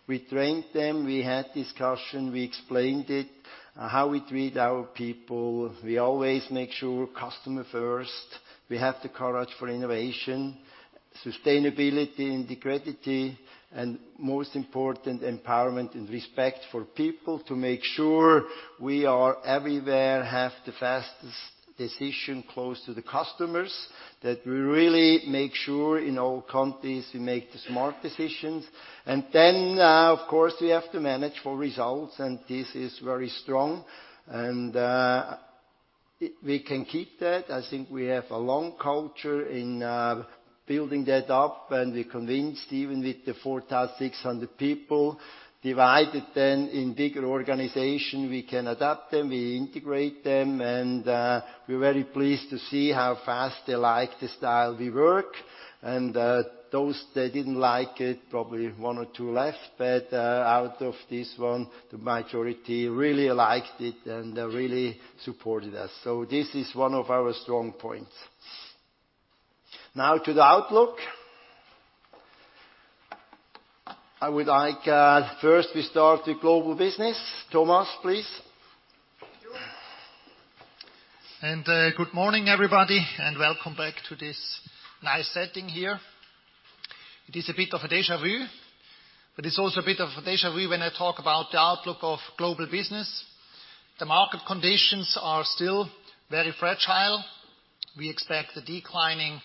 We trained them. We had discussion. We explained it, how we treat our people. We always make sure customer first. We have the courage for innovation, sustainability, integrity, and most important, empowerment and respect for people to make sure we are everywhere, have the fastest decision close to the customers, that we really make sure in all countries we make the smart decisions. Of course, we have to manage for results, and this is very strong. We can keep that. I think we have a long culture in building that up, and we're convinced, even with the 4,600 people divided then in bigger organization, we can adapt them, we integrate them, and we're very pleased to see how fast they like the style we work. Those that didn't like it, probably one or two left, but out of this one, the majority really liked it, and they really supported us. This is one of our strong points. To the outlook. I would like first we start with global business. Thomas, please. Good morning, everybody, and welcome back to this nice setting here. It is a bit of a Deja vu. It is also a bit of a Deja vu when I talk about the outlook of global business. The market conditions are still very fragile. We expect a declining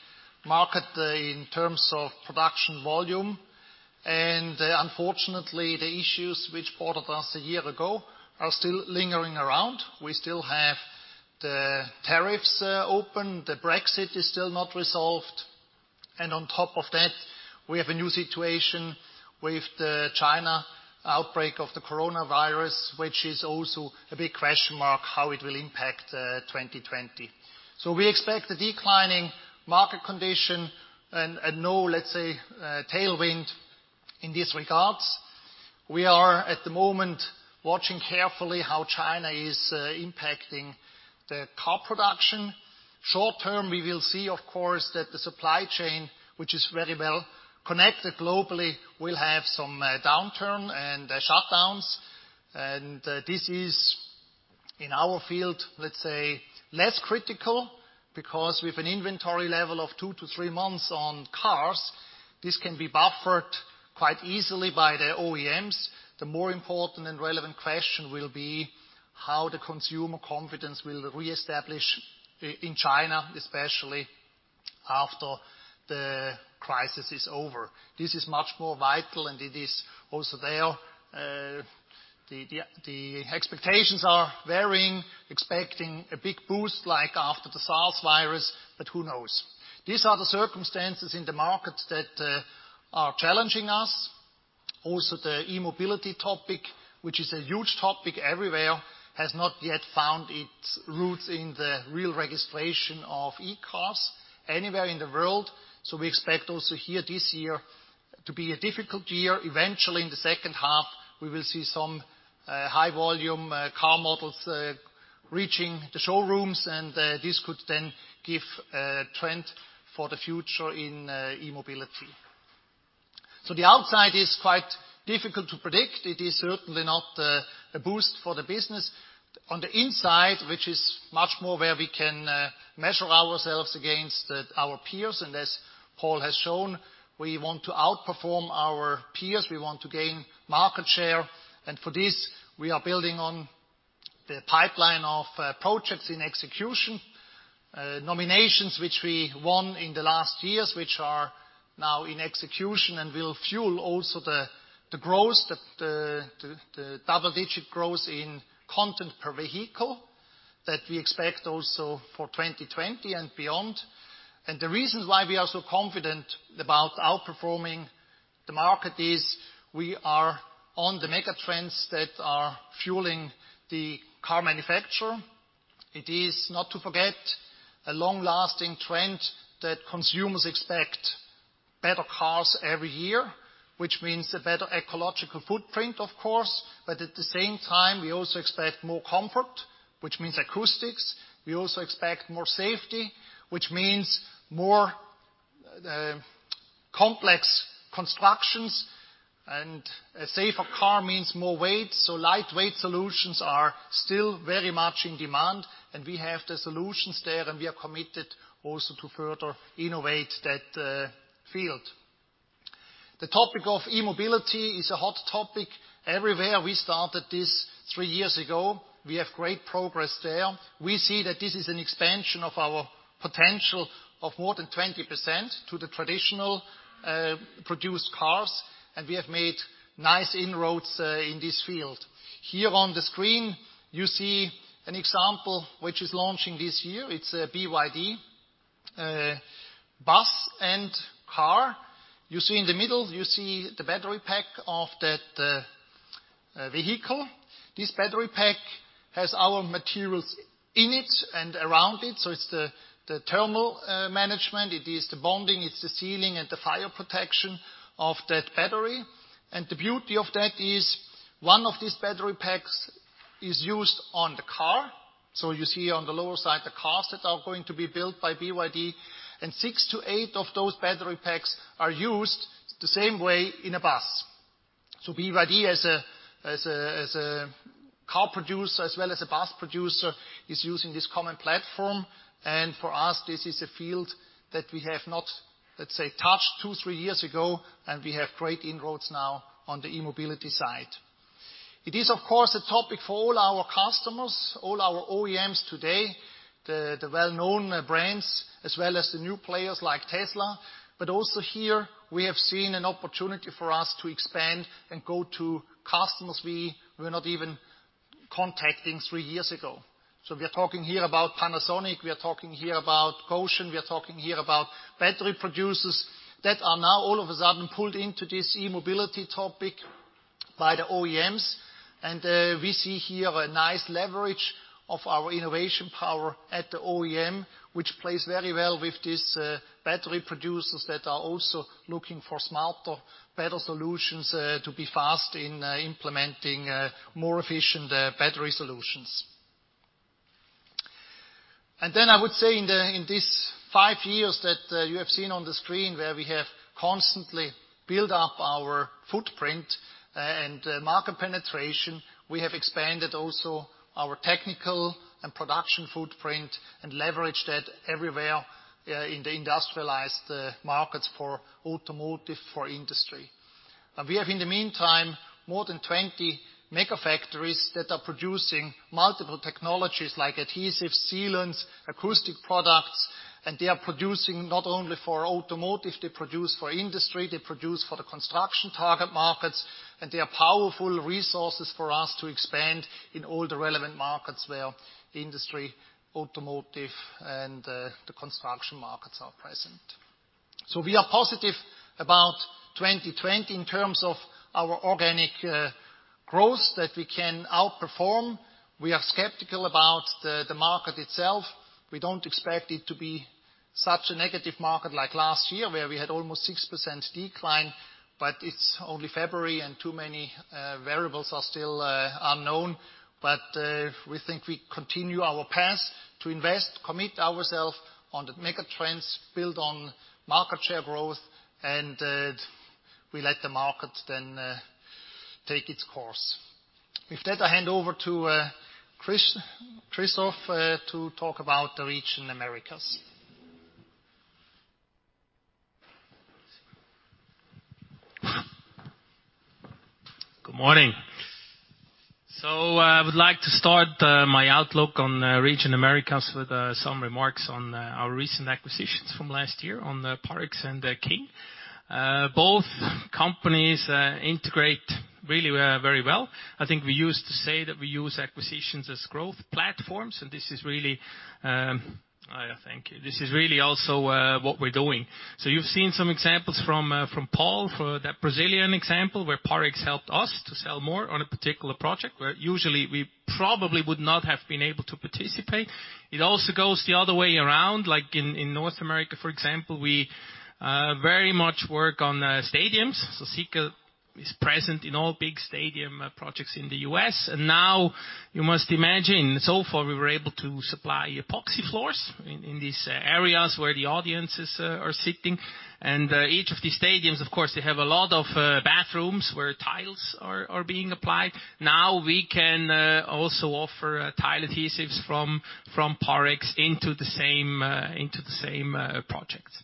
market in terms of production volume. Unfortunately, the issues which bothered us a year ago are still lingering around. We still have the tariffs open. The Brexit is still not resolved. On top of that, we have a new situation with the China outbreak of the coronavirus, which is also a big question mark how it will impact 2020. We expect a declining market condition and no let's say, tailwind in these regards. We are, at the moment, watching carefully how China is impacting the car production. Short term, we will see, of course, that the supply chain, which is very well connected globally, will have some downturn and shutdowns. This is, in our field, let's say, less critical because with an inventory level of two to three months on cars, this can be buffered quite easily by the OEMs. The more important and relevant question will be how the consumer confidence will reestablish in China, especially after the crisis is over. This is much more vital, and it is also there. The expectations are varying, expecting a big boost like after the SARS virus, but who knows? These are the circumstances in the markets that are challenging us. Also, the e-mobility topic, which is a huge topic everywhere, has not yet found its roots in the real registration of e-cars anywhere in the world. We expect also here this year to be a difficult year. Eventually, in the second half, we will see some high volume car models reaching the showrooms, and this could then give a trend for the future in e-mobility. The outside is quite difficult to predict. It is certainly not a boost for the business. On the inside, which is much more where we can measure ourselves against our peers, and as Paul has shown, we want to outperform our peers. We want to gain market share. For this, we are building on the pipeline of projects in execution, nominations which we won in the last years, which are now in execution and will fuel also the growth, the double-digit growth in content per vehicle that we expect also for 2020 and beyond. The reasons why we are so confident about outperforming the market is we are on the megatrends that are fueling the car manufacturer. It is not to forget a long-lasting trend that consumers expect better cars every year, which means a better ecological footprint, of course. At the same time, we also expect more comfort, which means acoustics. We also expect more safety, which means more complex constructions. A safer car means more weight. Lightweight solutions are still very much in demand, and we have the solutions there, and we are committed also to further innovate that field. The topic of e-mobility is a hot topic everywhere. We started this three years ago. We have great progress there. We see that this is an expansion of our potential of more than 20% to the traditional produced cars, and we have made nice inroads in this field. Here on the screen, you see an example which is launching this year. It's a BYD bus and car. You see in the middle, you see the battery pack of that vehicle. This battery pack has our materials in it and around it. It's the thermal management. It is the bonding, it's the sealing, and the fire protection of that battery. The beauty of that is one of these battery packs is used on the car. You see on the lower side the cars that are going to be built by BYD, and six to eight of those battery packs are used the same way in a bus. BYD as a car producer as well as a bus producer, is using this common platform. For us, this is a field that we have not, let's say, touched two, three years ago, and we have great inroads now on the e-mobility side. It is, of course, a topic for all our customers, all our OEMs today, the well-known brands, as well as the new players like Tesla. Also here, we have seen an opportunity for us to expand and go to customers we were not even contacting three years ago. We are talking here about Panasonic, we are talking here about Gotion, we are talking here about battery producers that are now all of a sudden pulled into this e-mobility topic by the OEMs. We see here a nice leverage of our innovation power at the OEM, which plays very well with these battery producers that are also looking for smarter, better solutions to be fast in implementing more efficient battery solutions. I would say in these five years that you have seen on the screen where we have constantly built up our footprint and market penetration, we have expanded also our technical and production footprint and leveraged that everywhere in the industrialized markets for automotive, for industry. We have, in the meantime, more than 20 mega factories that are producing multiple technologies like adhesives, sealants, acoustic products, and they are producing not only for automotive, they produce for industry, they produce for the construction target markets, and they are powerful resources for us to expand in all the relevant markets where industry, automotive, and the construction markets are present. We are positive about 2020 in terms of our organic growth that we can outperform. We are skeptical about the market itself. We don't expect it to be such a negative market like last year, where we had almost 6% decline, but it's only February and too many variables are still unknown. We think we continue our path to invest, commit ourselves on the mega trends, build on market share growth, and we let the market then take its course. With that, I hand over to Christoph to talk about the region Americas. Good morning. I would like to start my outlook on region Americas with some remarks on our recent acquisitions from last year on Parex and King. Both companies integrate really very well. I think we used to say that we use acquisitions as growth platforms, and this is really also what we're doing. You've seen some examples from Paul for that Brazilian example where Parex helped us to sell more on a particular project where usually we probably would not have been able to participate. It also goes the other way around. In North America, for example, we very much work on stadiums. Sika is present in all big stadium projects in the U.S. Now you must imagine, so far we were able to supply epoxy floors in these areas where the audiences are sitting. Each of these stadiums, of course, they have a lot of bathrooms where tiles are being applied. Now we can also offer tile adhesives from Parex into the same projects.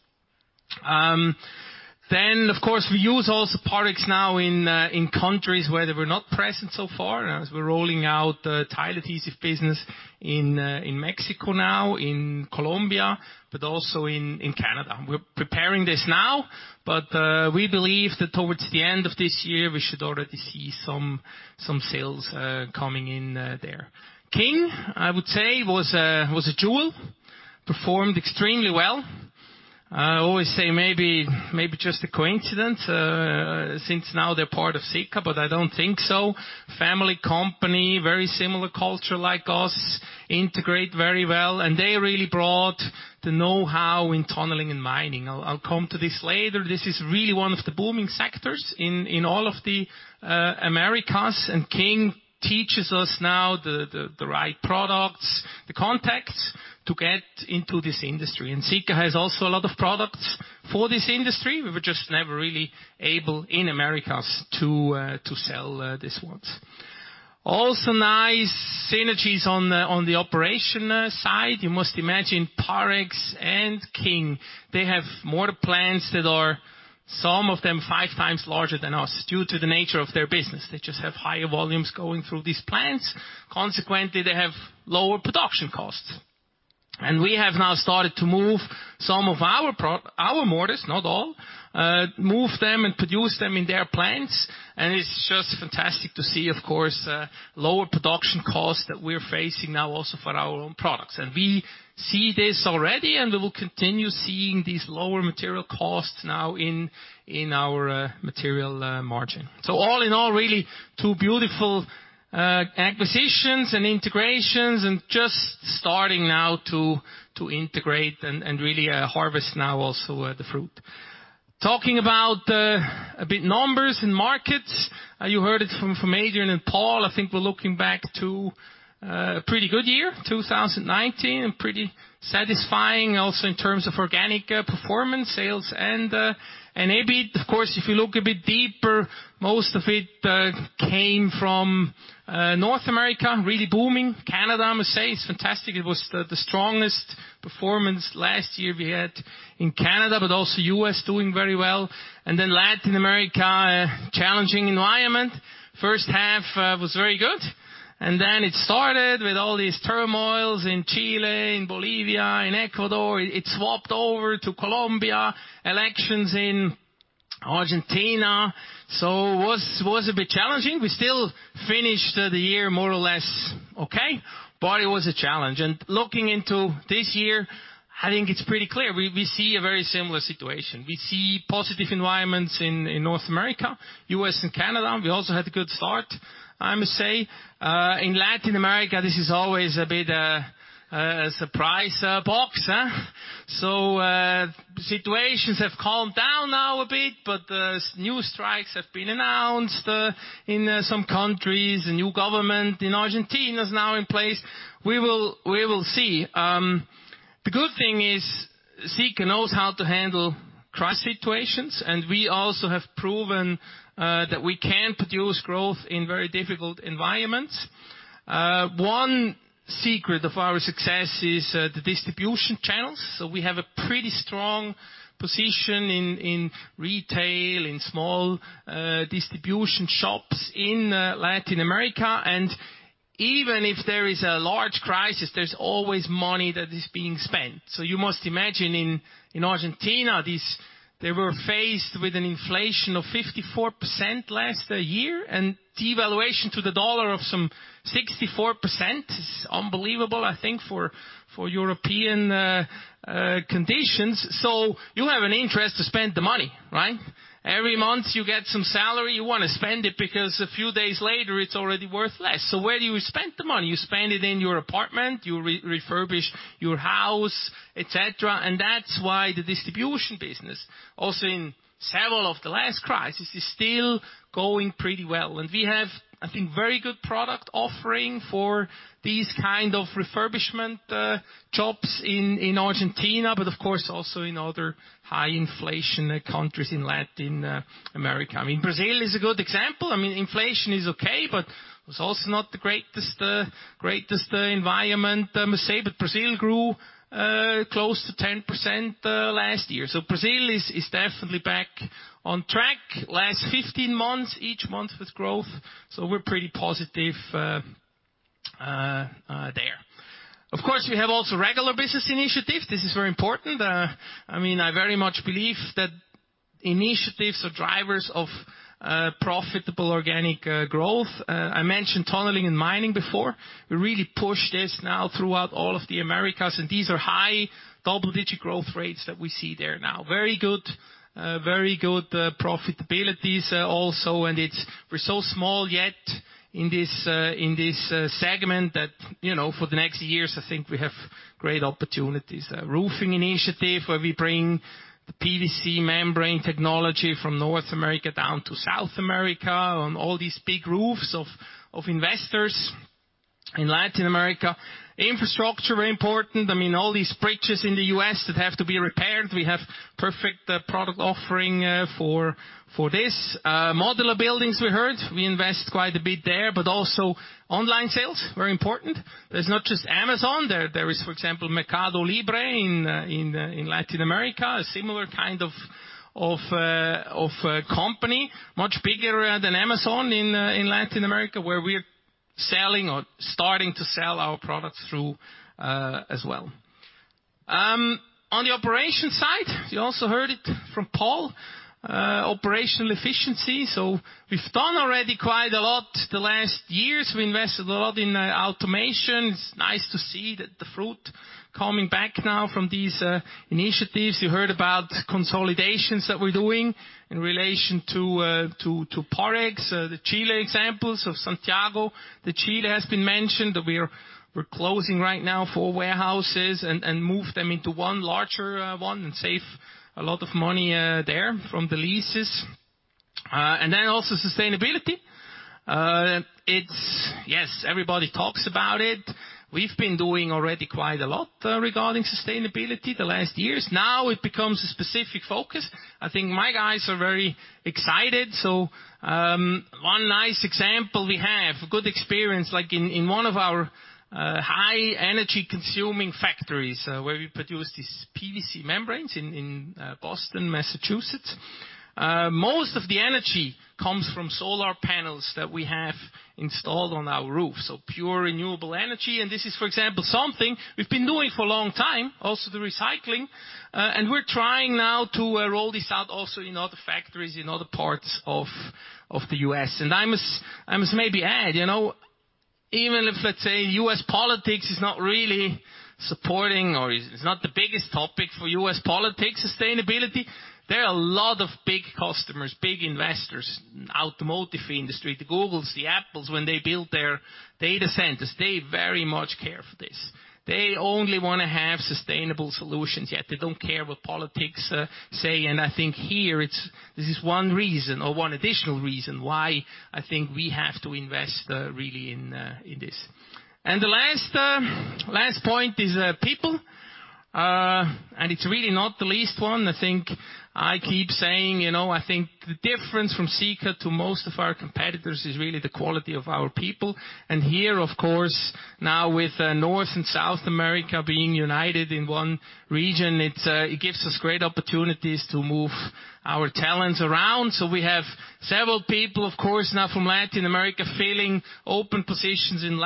Of course, we use also Parex now in countries where they were not present so far. As we're rolling out the tile adhesive business in Mexico now, in Colombia, but also in Canada. We're preparing this now, but we believe that towards the end of this year, we should already see some sales coming in there. King, I would say, was a jewel. Performed extremely well. I always say maybe just a coincidence, since now they're part of Sika, but I don't think so. Family company, very similar culture like us, integrate very well, and they really brought the know-how in tunneling and mining. I'll come to this later. This is really one of the booming sectors in all of the Americas. King teaches us now the right products, the contacts to get into this industry. Sika has also a lot of products for this industry. We were just never really able, in Americas, to sell these ones. Also nice synergies on the operation side. You must imagine Parex and King, they have mortar plants that are, some of them, 5x larger than us due to the nature of their business. They just have higher volumes going through these plants. Consequently, they have lower production costs. We have now started to move some of our mortars, not all, move them and produce them in their plants. It's just fantastic to see, of course, lower production costs that we're facing now also for our own products. We see this already, and we will continue seeing these lower material costs now in our material margin. All in all, really two beautiful acquisitions and integrations and just starting now to integrate and really harvest now also the fruit. Talking about a bit numbers and markets. You heard it from Adrian and Paul. I think we're looking back to a pretty good year, 2019, and pretty satisfying also in terms of organic performance sales and EBIT. Of course, if you look a bit deeper, most of it came from North America, really booming. Canada, I must say, is fantastic. It was the strongest performance last year we had in Canada, but also U.S. doing very well. Latin America, a challenging environment. First half was very good. It started with all these turmoils in Chile, in Bolivia, in Ecuador. It swapped over to Colombia, elections in Argentina. It was a bit challenging. We still finished the year more or less okay, but it was a challenge. Looking into this year, I think it's pretty clear, we see a very similar situation. We see positive environments in North America, U.S. and Canada, we also had a good start, I must say. In Latin America, this is always a bit a surprise box, huh? Situations have calmed down now a bit, but new strikes have been announced in some countries, a new government in Argentina is now in place. We will see. The good thing is Sika knows how to handle crisis situations, and we also have proven that we can produce growth in very difficult environments. One secret of our success is the distribution channels. We have a pretty strong position in retail, in small distribution shops in Latin America, and even if there is a large crisis, there's always money that is being spent. You must imagine in Argentina, they were faced with an inflation of 54% last year, and devaluation to the dollar of some 64%. It's unbelievable, I think, for European conditions. You have an interest to spend the money, right? Every month you get some salary, you want to spend it because a few days later it's already worth less. Where do you spend the money? You spend it in your apartment, you refurbish your house, et cetera. That's why the distribution business, also in several of the last crisis, is still going pretty well. We have, I think, very good product offering for these kind of refurbishment jobs in Argentina, but of course also in other high inflation countries in Latin America. Brazil is a good example. Inflation is okay, but it's also not the greatest environment, I must say. Brazil grew close to 10% last year. Brazil is definitely back on track. Last 15 months, each month with growth, so we're pretty positive there. Of course, we have also regular business initiative. This is very important. I very much believe that initiatives are drivers of profitable organic growth. I mentioned tunneling and mining before. We really push this now throughout all of the Americas, and these are high double-digit growth rates that we see there now. Very good profitabilities also, and we're so small yet in this segment that, for the next years, I think we have great opportunities. Roofing initiative, where we bring the PVC membrane technology from North America down to South America, on all these big roofs of investors in Latin America. Infrastructure, very important. All these bridges in the U.S. that have to be repaired, we have perfect product offering for this. Modular buildings we heard, we invest quite a bit there, but also online sales, very important. There's not just Amazon. There is, for example, Mercado Libre in Latin America, a similar kind of company, much bigger than Amazon in Latin America, where we're selling or starting to sell our products through as well. On the operation side, you also heard it from Paul, operational efficiency. We've done already quite a lot the last years. We invested a lot in automation. It's nice to see the fruit coming back now from these initiatives. You heard about consolidations that we're doing in relation to Parex. The Chile examples of Santiago de Chile has been mentioned. We're closing right now four warehouses and move them into one larger one and save a lot of money there from the leases. Then also sustainability. Yes, everybody talks about it. We've been doing already quite a lot regarding sustainability the last years. Now it becomes a specific focus. I think my guys are very excited. One nice example we have, good experience like in one of our high energy consuming factories, where we produce these PVC membranes in Boston, Massachusetts. Most of the energy comes from solar panels that we have installed on our roof, so pure renewable energy. This is, for example, something we've been doing for a long time, also the recycling. We're trying now to roll this out also in other factories in other parts of the U.S. I must maybe add, even if, let's say, U.S. politics is not really supporting or it's not the biggest topic for U.S. politics, sustainability, there are a lot of big customers, big investors in automotive industry, the Googles, the Apples, when they build their data centers, they very much care for this. They only want to have sustainable solutions, yet they don't care what politics say. I think here, this is one reason or one additional reason why I think we have to invest really in this. The last point is people. It's really not the least one. I keep saying, I think the difference from Sika to most of our competitors is really the quality of our people. Here, of course, now with North and South America being united in one region, it gives us great opportunities to move our talents around. We have several people, of course, now from Latin America filling open positions in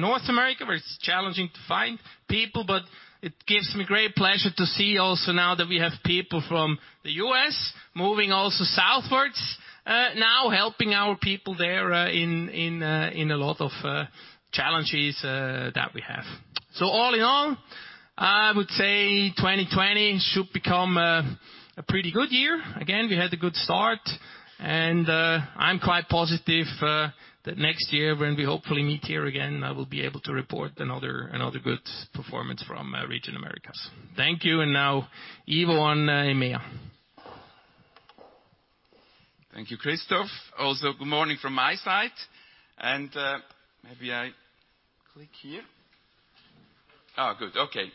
North America, where it's challenging to find people. It gives me great pleasure to see also now that we have people from the U.S. moving also southwards, now helping our people there in a lot of challenges that we have. All in all, I would say 2020 should become a pretty good year. Again, we had a good start, and I'm quite positive that next year when we hopefully meet here again, I will be able to report another good performance from region Americas. Thank you, and now Ivo on EMEA. Thank you, Christoph. Also, good morning from my side. Maybe I click here. Good, okay.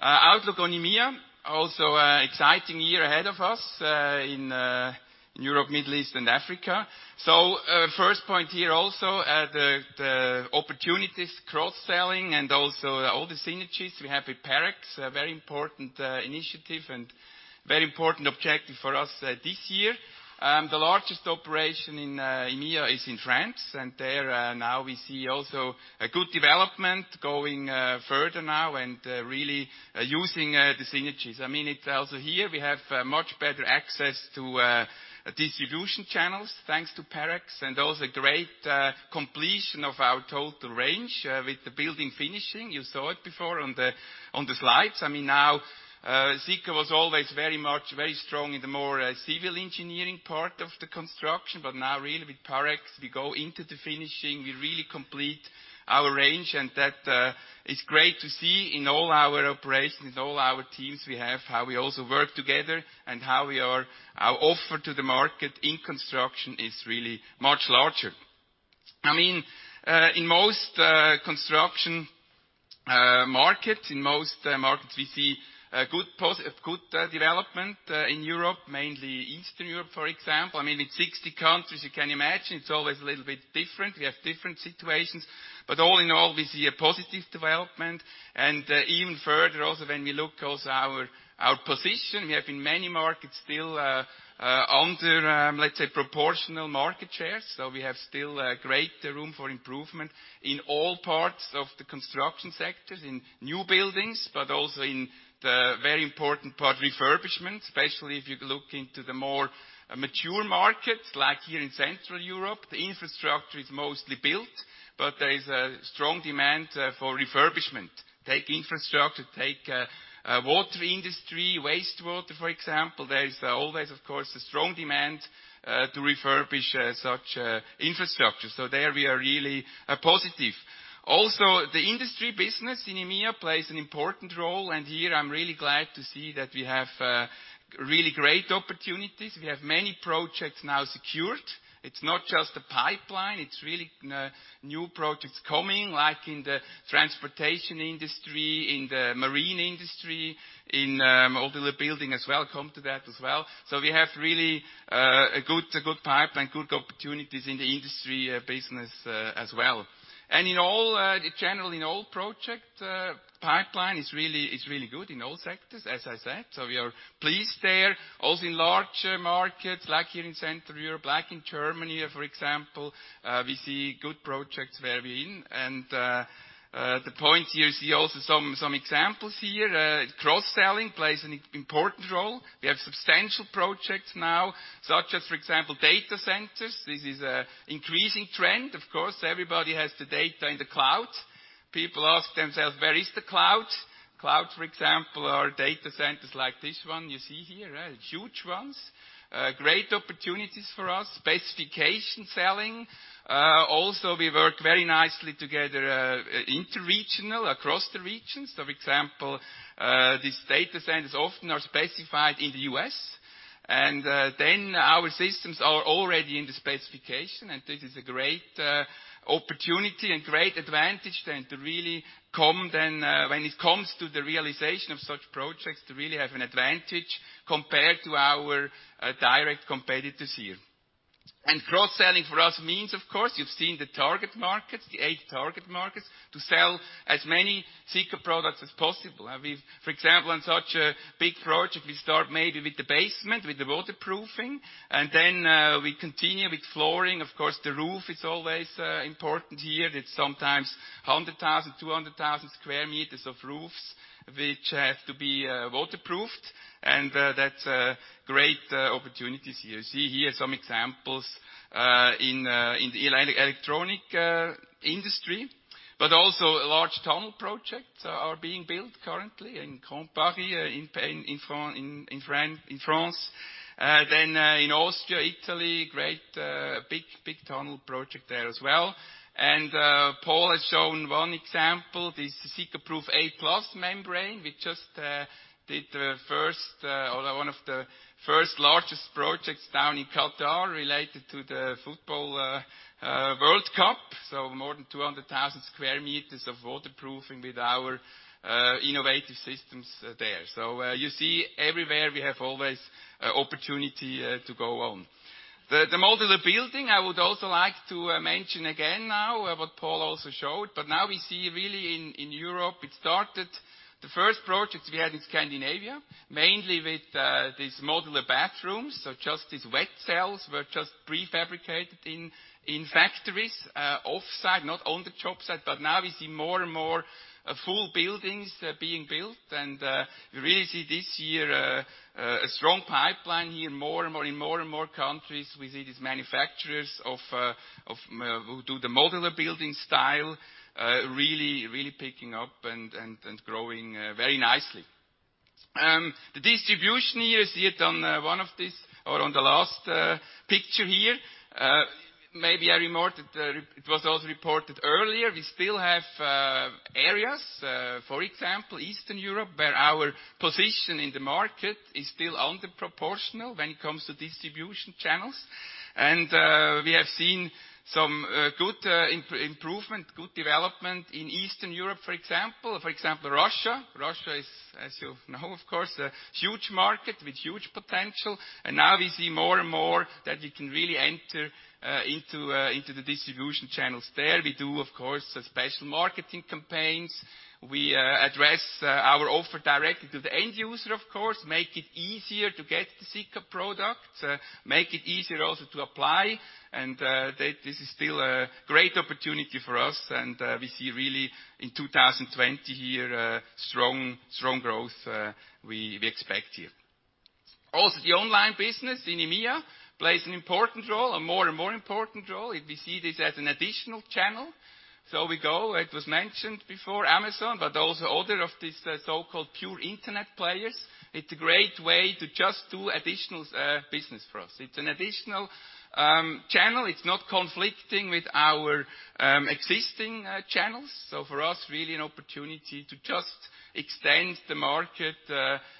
Outlook on EMEA, also exciting year ahead of us in Europe, Middle East, and Africa. First point here also the opportunities cross-selling and also all the synergies we have with Parex, a very important initiative and very important objective for us this year. The largest operation in EMEA is in France, and there now we see also a good development going further now and really using the synergies. It is also here we have much better access to distribution channels thanks to Parex and also great completion of our total range with the building finishing. You saw it before on the slides. Sika was always very strong in the more civil engineering part of the construction, but now really with Parex, we go into the finishing. We really complete our range, and that is great to see in all our operations, in all our teams we have, how we also work together and how our offer to the market in construction is really much larger. In most construction markets, in most markets, we see good development in Europe, mainly Eastern Europe, for example. In 60 countries, you can imagine it's always a little bit different. We have different situations, but all in all, we see a positive development. Even further also when we look also our position, we have in many markets still under, let's say, proportional market shares. We have still great room for improvement in all parts of the construction sectors, in new buildings, but also in the very important part, refurbishment, especially if you look into the more mature markets like here in Central Europe. The infrastructure is mostly built, but there is a strong demand for refurbishment. Take infrastructure, take water industry, wastewater, for example. There is always, of course, a strong demand to refurbish such infrastructure. There we are really positive. Also, the industry business in EMEA plays an important role, and here I'm really glad to see that we have really great opportunities. We have many projects now secured. It's not just the pipeline, it's really new projects coming, like in the transportation industry, in the marine industry, in modular building as well, come to that as well. We have really a good pipeline, good opportunities in the industry business as well. In general, in all project pipeline is really good in all sectors, as I said. We are pleased there. In larger markets like here in Central Europe, like in Germany for example, we see good projects where we are in. The point here, you see also some examples here. Cross-selling plays an important role. We have substantial projects now, such as, for example, data centers. This is an increasing trend. Of course, everybody has the data in the cloud. People ask themselves, "Where is the cloud?" Cloud, for example, are data centers like this one you see here, right? Huge ones. Great opportunities for us. Specification selling. We work very nicely together inter-regional across the regions. For example, these data centers often are specified in the U.S., then our systems are already in the specification, this is a great opportunity and great advantage then to really come then when it comes to the realization of such projects, to really have an advantage compared to our direct competitors here. Cross-selling for us means, of course, you've seen the target markets, the eight target markets, to sell as many Sika products as possible. For example, on such a big project, we start maybe with the basement, with the waterproofing, then we continue with flooring. Of course, the roof is always important here. It's sometimes 100,000 sq metres, 200,000 sq metres of roofs which have to be waterproofed, that's great opportunities here. You see here some examples in the electronic industry, also large tunnel projects are being built currently in Grand Paris in France. In Austria, Italy, great big tunnel project there as well. Paul has shown one example, the SikaProof A+ membrane. We just did one of the first largest projects down in Qatar related to the football World Cup. More than 200,000 square meters of waterproofing with our innovative systems there. You see everywhere we have always opportunity to go on. The modular building, I would also like to mention again now what Paul also showed. Now we see really in Europe, it started. The first projects we had in Scandinavia, mainly with these modular bathrooms. Just these wet cells were just prefabricated in factories off-site, not on the job site. Now we see more and more full buildings being built. We really see this year a strong pipeline here. In more and more countries, we see these manufacturers who do the modular building style really picking up and growing very nicely. The distribution here, see it on the last picture here. Maybe it was also reported earlier. We still have areas, for example, Eastern Europe, where our position in the market is still under proportional when it comes to distribution channels. We have seen some good improvement, good development in Eastern Europe, for example. For example, Russia. Russia is, as you know, of course, a huge market with huge potential. Now we see more and more that we can really enter into the distribution channels there. We do, of course, special marketing campaigns. We address our offer directly to the end user, of course, make it easier to get the Sika product, make it easier also to apply. This is still a great opportunity for us, and we see really in 2020 here strong growth we expect here. Also, the online business in EMEA plays an important role, a more and more important role, if we see this as an additional channel. We go, it was mentioned before, Amazon, but also other of these so-called pure Internet players. It's a great way to just do additional business for us. It's an additional channel. It's not conflicting with our existing channels. For us, really an opportunity to just extend the market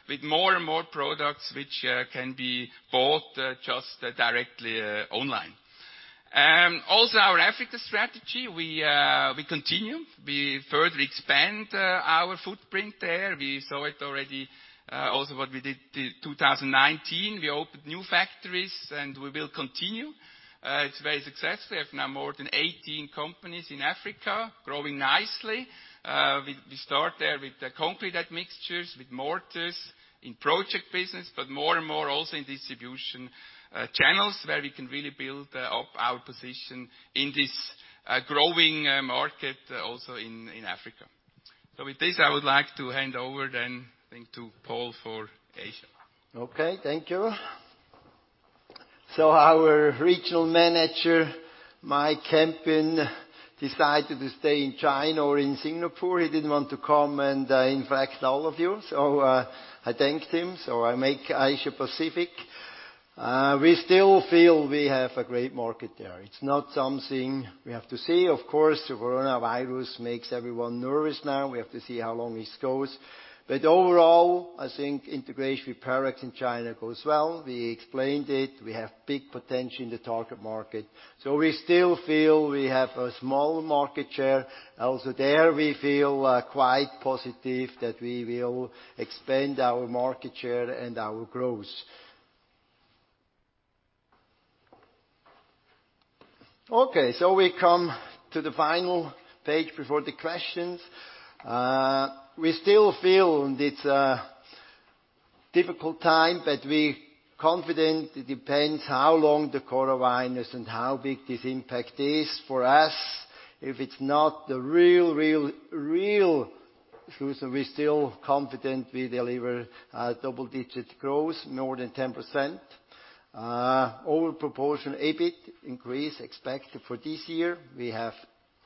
with more and more products which can be bought just directly online. Also our Africa strategy, we continue. We further expand our footprint there. We saw it already also what we did 2019. We opened new factories, and we will continue. It's very successful. We have now more than 18 companies in Africa growing nicely. We start there with the concrete admixtures, with mortars in project business, but more and more also in distribution channels where we can really build up our position in this growing market also in Africa. With this, I would like to hand over then I think to Paul for Asia. Okay, thank you. Our regional manager, Mike Campion, decided to stay in China or in Singapore. He didn't want to come and infect all of you. I thanked him. I make Asia Pacific. We still feel we have a great market there. It's not something we have to say. Of course, the coronavirus makes everyone nervous now. We have to see how long this goes. Overall, I think integration with Parex in China goes well. We explained it. We have big potential in the target market. We still feel we have a small market share. Also there, we feel quite positive that we will expand our market share and our growth. Okay, we come to the final page before the questions. We still feel it's a difficult time, but we're confident it depends how long the coronavirus and how big this impact is for us. If it's not the real, real truth, we're still confident we deliver double-digit growth, more than 10%. Over proportion EBIT increase expected for this year. We have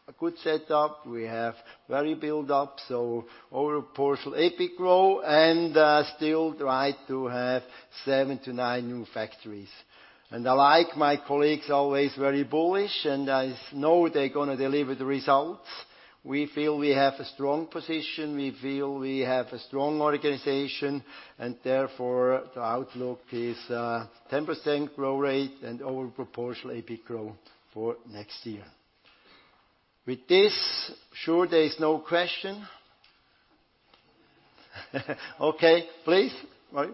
a good set up. We have value build up, so over proportion EBIT grow, and still try to have seven to nine new factories. I like my colleagues always very bullish, and I know they're going to deliver the results. We feel we have a strong position. We feel we have a strong organization, and therefore, the outlook is 10% growth rate and over proportional EBIT growth for next year. With this, sure there is no question? Okay, please. Right.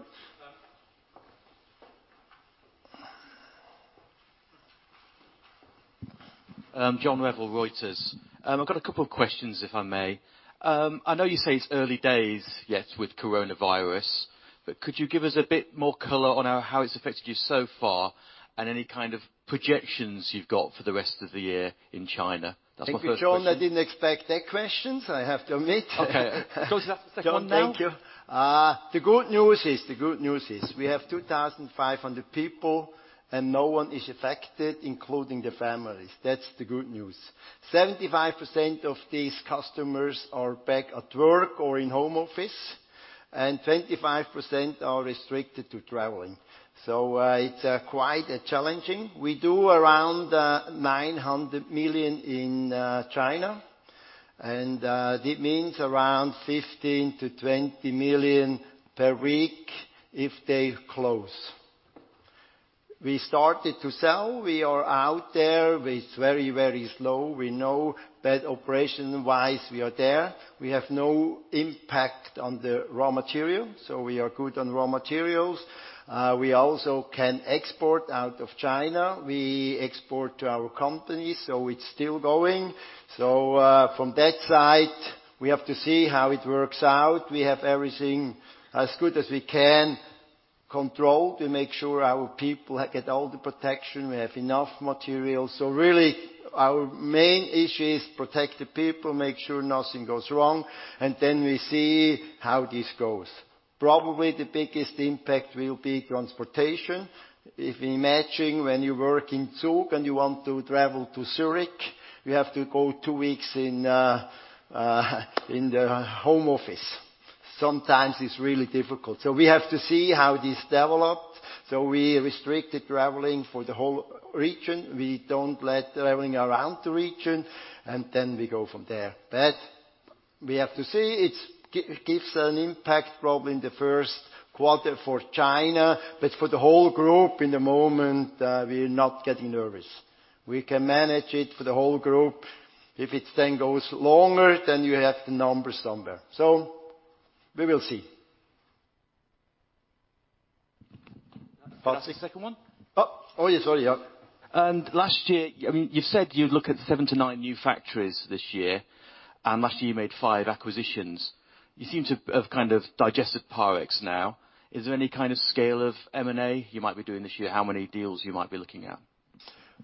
John Revill, Reuters. I've got a couple of questions, if I may. I know you say it's early days yet with coronavirus, but could you give us a bit more color on how it's affected you so far and any kind of projections you've got for the rest of the year in China? That's my first question. Thank you, John. I didn't expect that question, I have to admit. Okay. Go to the second one now. John, thank you. The good news is we have 2,500 people, and no one is affected, including the families. That's the good news. 75% of these customers are back at work or in home office, and 25% are restricted to traveling. It's quite challenging. We do around 900 million in China, and it means around 15 million-20 million per week if they close. We started to sell. We are out there. It's very, very slow. We know that operation-wise, we are there. We have no impact on the raw material, so we are good on raw materials. We also can export out of China. We export to our companies, so it's still going. From that side, we have to see how it works out. We have everything as good as we can control to make sure our people get all the protection, we have enough material. Really our main issue is protect the people, make sure nothing goes wrong, and then we see how this goes. Probably the biggest impact will be transportation. If imagining when you work in Zug and you want to travel to Zurich, you have to go two weeks in the home office. Sometimes it's really difficult. We have to see how this develops. We restricted traveling for the whole region. We don't let traveling around the region, and then we go from there. We have to see. It gives an impact probably in the first quarter for China, but for the whole group, in the moment, we are not getting nervous. We can manage it for the whole group. If it then goes longer, then you have the numbers down there. We will see. Can I ask a second one? Oh, yes. Sorry. Yeah. Last year, you said you'd look at seven to nine new factories this year, and last year you made five acquisitions. You seem to have kind of digested Parex now. Is there any kind of scale of M&A you might be doing this year? How many deals you might be looking at?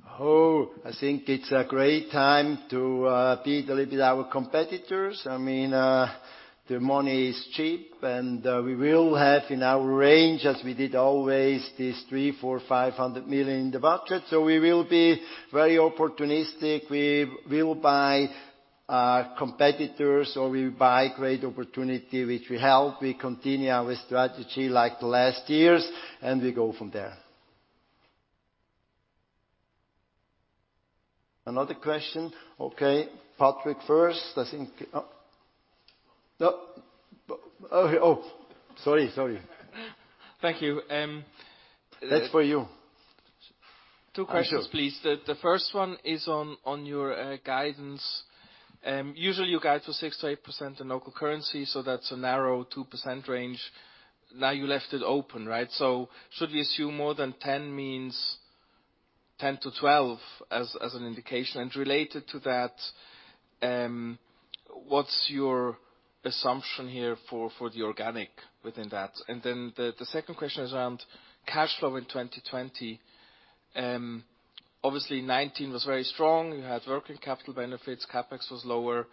I think it's a great time to beat a little bit our competitors. The money is cheap, we will have in our range, as we did always, this three, four, 500 million in the budget. We will be very opportunistic. We will buy competitors or we buy great opportunity, which will help me continue our strategy like the last years, we go from there. Another question? Okay. Patrick first, I think. Sorry. Thank you. That's for you. Two questions, please. Sure. The first one is on your guidance. Usually you guide for 6%-8% in local currency, so that's a narrow 2% range. Now you left it open, right? Should we assume more than 10% means 10%-12% as an indication? Related to that, what's your assumption here for the organic within that? The second question is around cash flow in 2020. Obviously, 2019 was very strong. You had working capital benefits. CapEx was lower.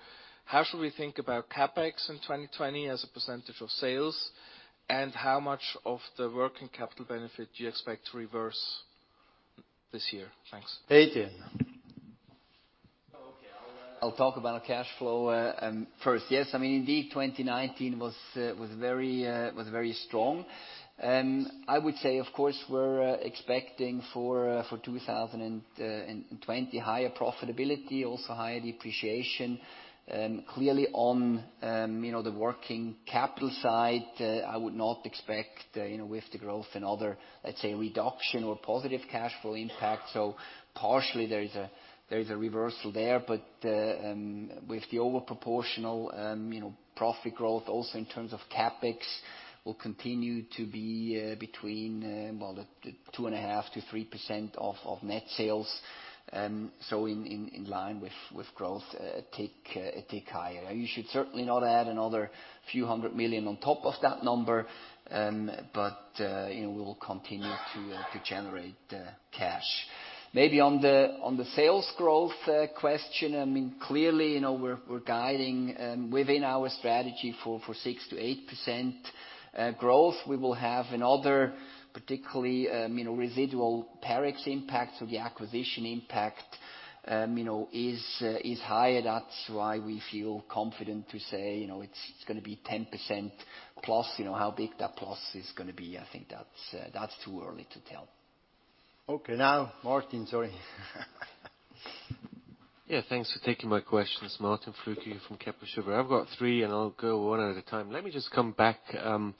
How should we think about CapEx in 2020 as a percentage of sales? How much of the working capital benefit do you expect to reverse this year? Thanks. Adrian. Okay. I'll talk about cash flow first. Yes, indeed, 2019 was very strong. I would say, of course, we're expecting for 2020 higher profitability, also higher depreciation. Clearly on the working capital side, I would not expect with the growth in other, let's say, reduction or positive cash flow impact. Partially there is a reversal there, but with the over proportional profit growth also in terms of CapEx will continue to be between the 2.5%-3% of net sales. In line with growth, tick higher. You should certainly not add another few hundred million Swiss francs on top of that number. We will continue to generate cash. Maybe on the sales growth question, clearly, we're guiding within our strategy for 6%-8% growth. We will have another particularly residual Parex impact. The acquisition impact is higher. That's why we feel confident to say it's going to be 10% plus. How big that plus is going to be, I think that's too early to tell. Okay. Now Martin. Sorry. Yeah. Thanks for taking my questions. Martin Flueckiger from Kepler Cheuvreux. I've got three. I'll go one at a time. Let me just come back to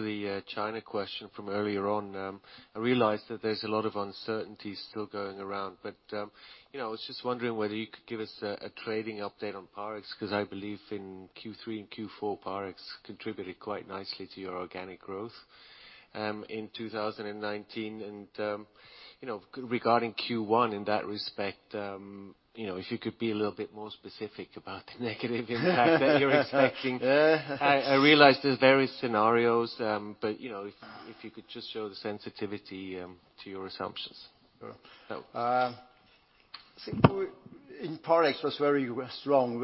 the China question from earlier on. I realize that there's a lot of uncertainty still going around, but I was just wondering whether you could give us a trading update on Parex, because I believe in Q3 and Q4, Parex contributed quite nicely to your organic growth, in 2019. Regarding Q1 in that respect, if you could be a little bit more specific about the negative impact that you're expecting. I realize there's various scenarios, but if you could just show the sensitivity to your assumptions. Sure. Parex was very strong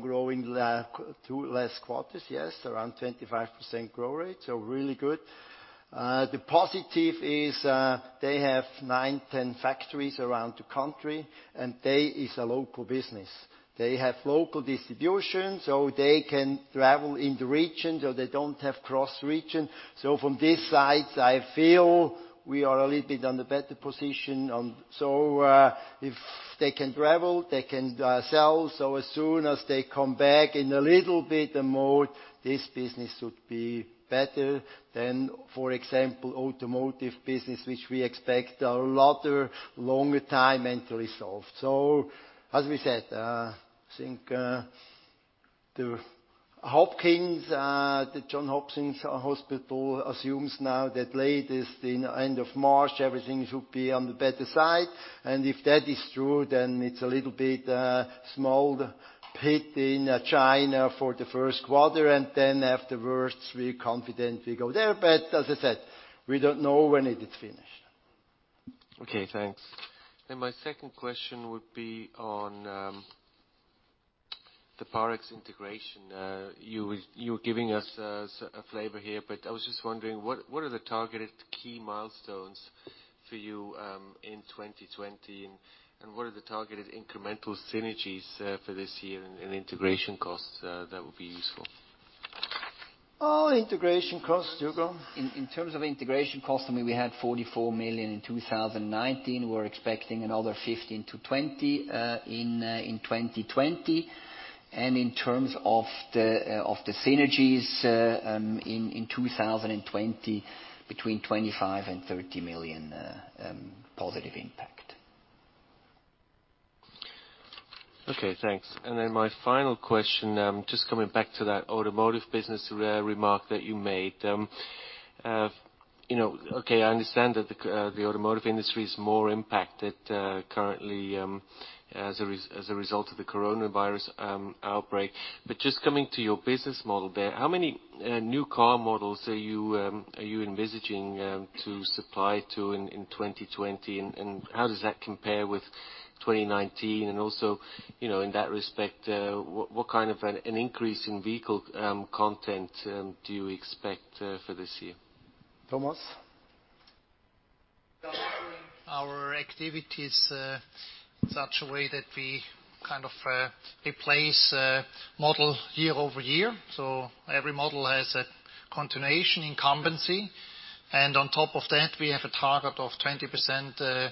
growing two last quarters. Yes, around 25% growth rate, really good. The positive is they have nine, 10 factories around the country, and they is a local business. They have local distribution, they can travel in the region. They don't have cross region. From this side, I feel we are a little bit on the better position on. If they can travel, they can sell. As soon as they come back in a little bit more, this business should be better than, for example, automotive business, which we expect a lot longer time and to resolve. As we said, I think the Johns Hopkins Hospital assumes now that latest in end of March, everything should be on the better side. If that is true, then it's a little bit small pit in China for the first quarter, and then afterwards we're confident we go there. As I said, we don't know when it is finished. Okay, thanks. My second question would be on the Parex integration. You were giving us a flavor here, but I was just wondering, what are the targeted key milestones for you in 2020, and what are the targeted incremental synergies for this year and integration costs that would be useful? Oh, integration costs, Hugo. In terms of integration costs, we had 44 million in 2019. We're expecting another 15 million-20 million in 2020. In terms of the synergies in 2020, between 25 million and 30 million positive impact. Okay, thanks. My final question, just coming back to that automotive business remark that you made. Okay, I understand that the automotive industry is more impacted currently as a result of the coronavirus outbreak. Just coming to your business model there, how many new car models are you envisaging to supply to in 2020, and how does that compare with 2019? Also, in that respect, what kind of an increase in vehicle content do you expect for this year? Thomas? Our activity is such a way that we kind of replace model year-over-year. Every model has a continuation incumbency. On top of that, we have a target of 20%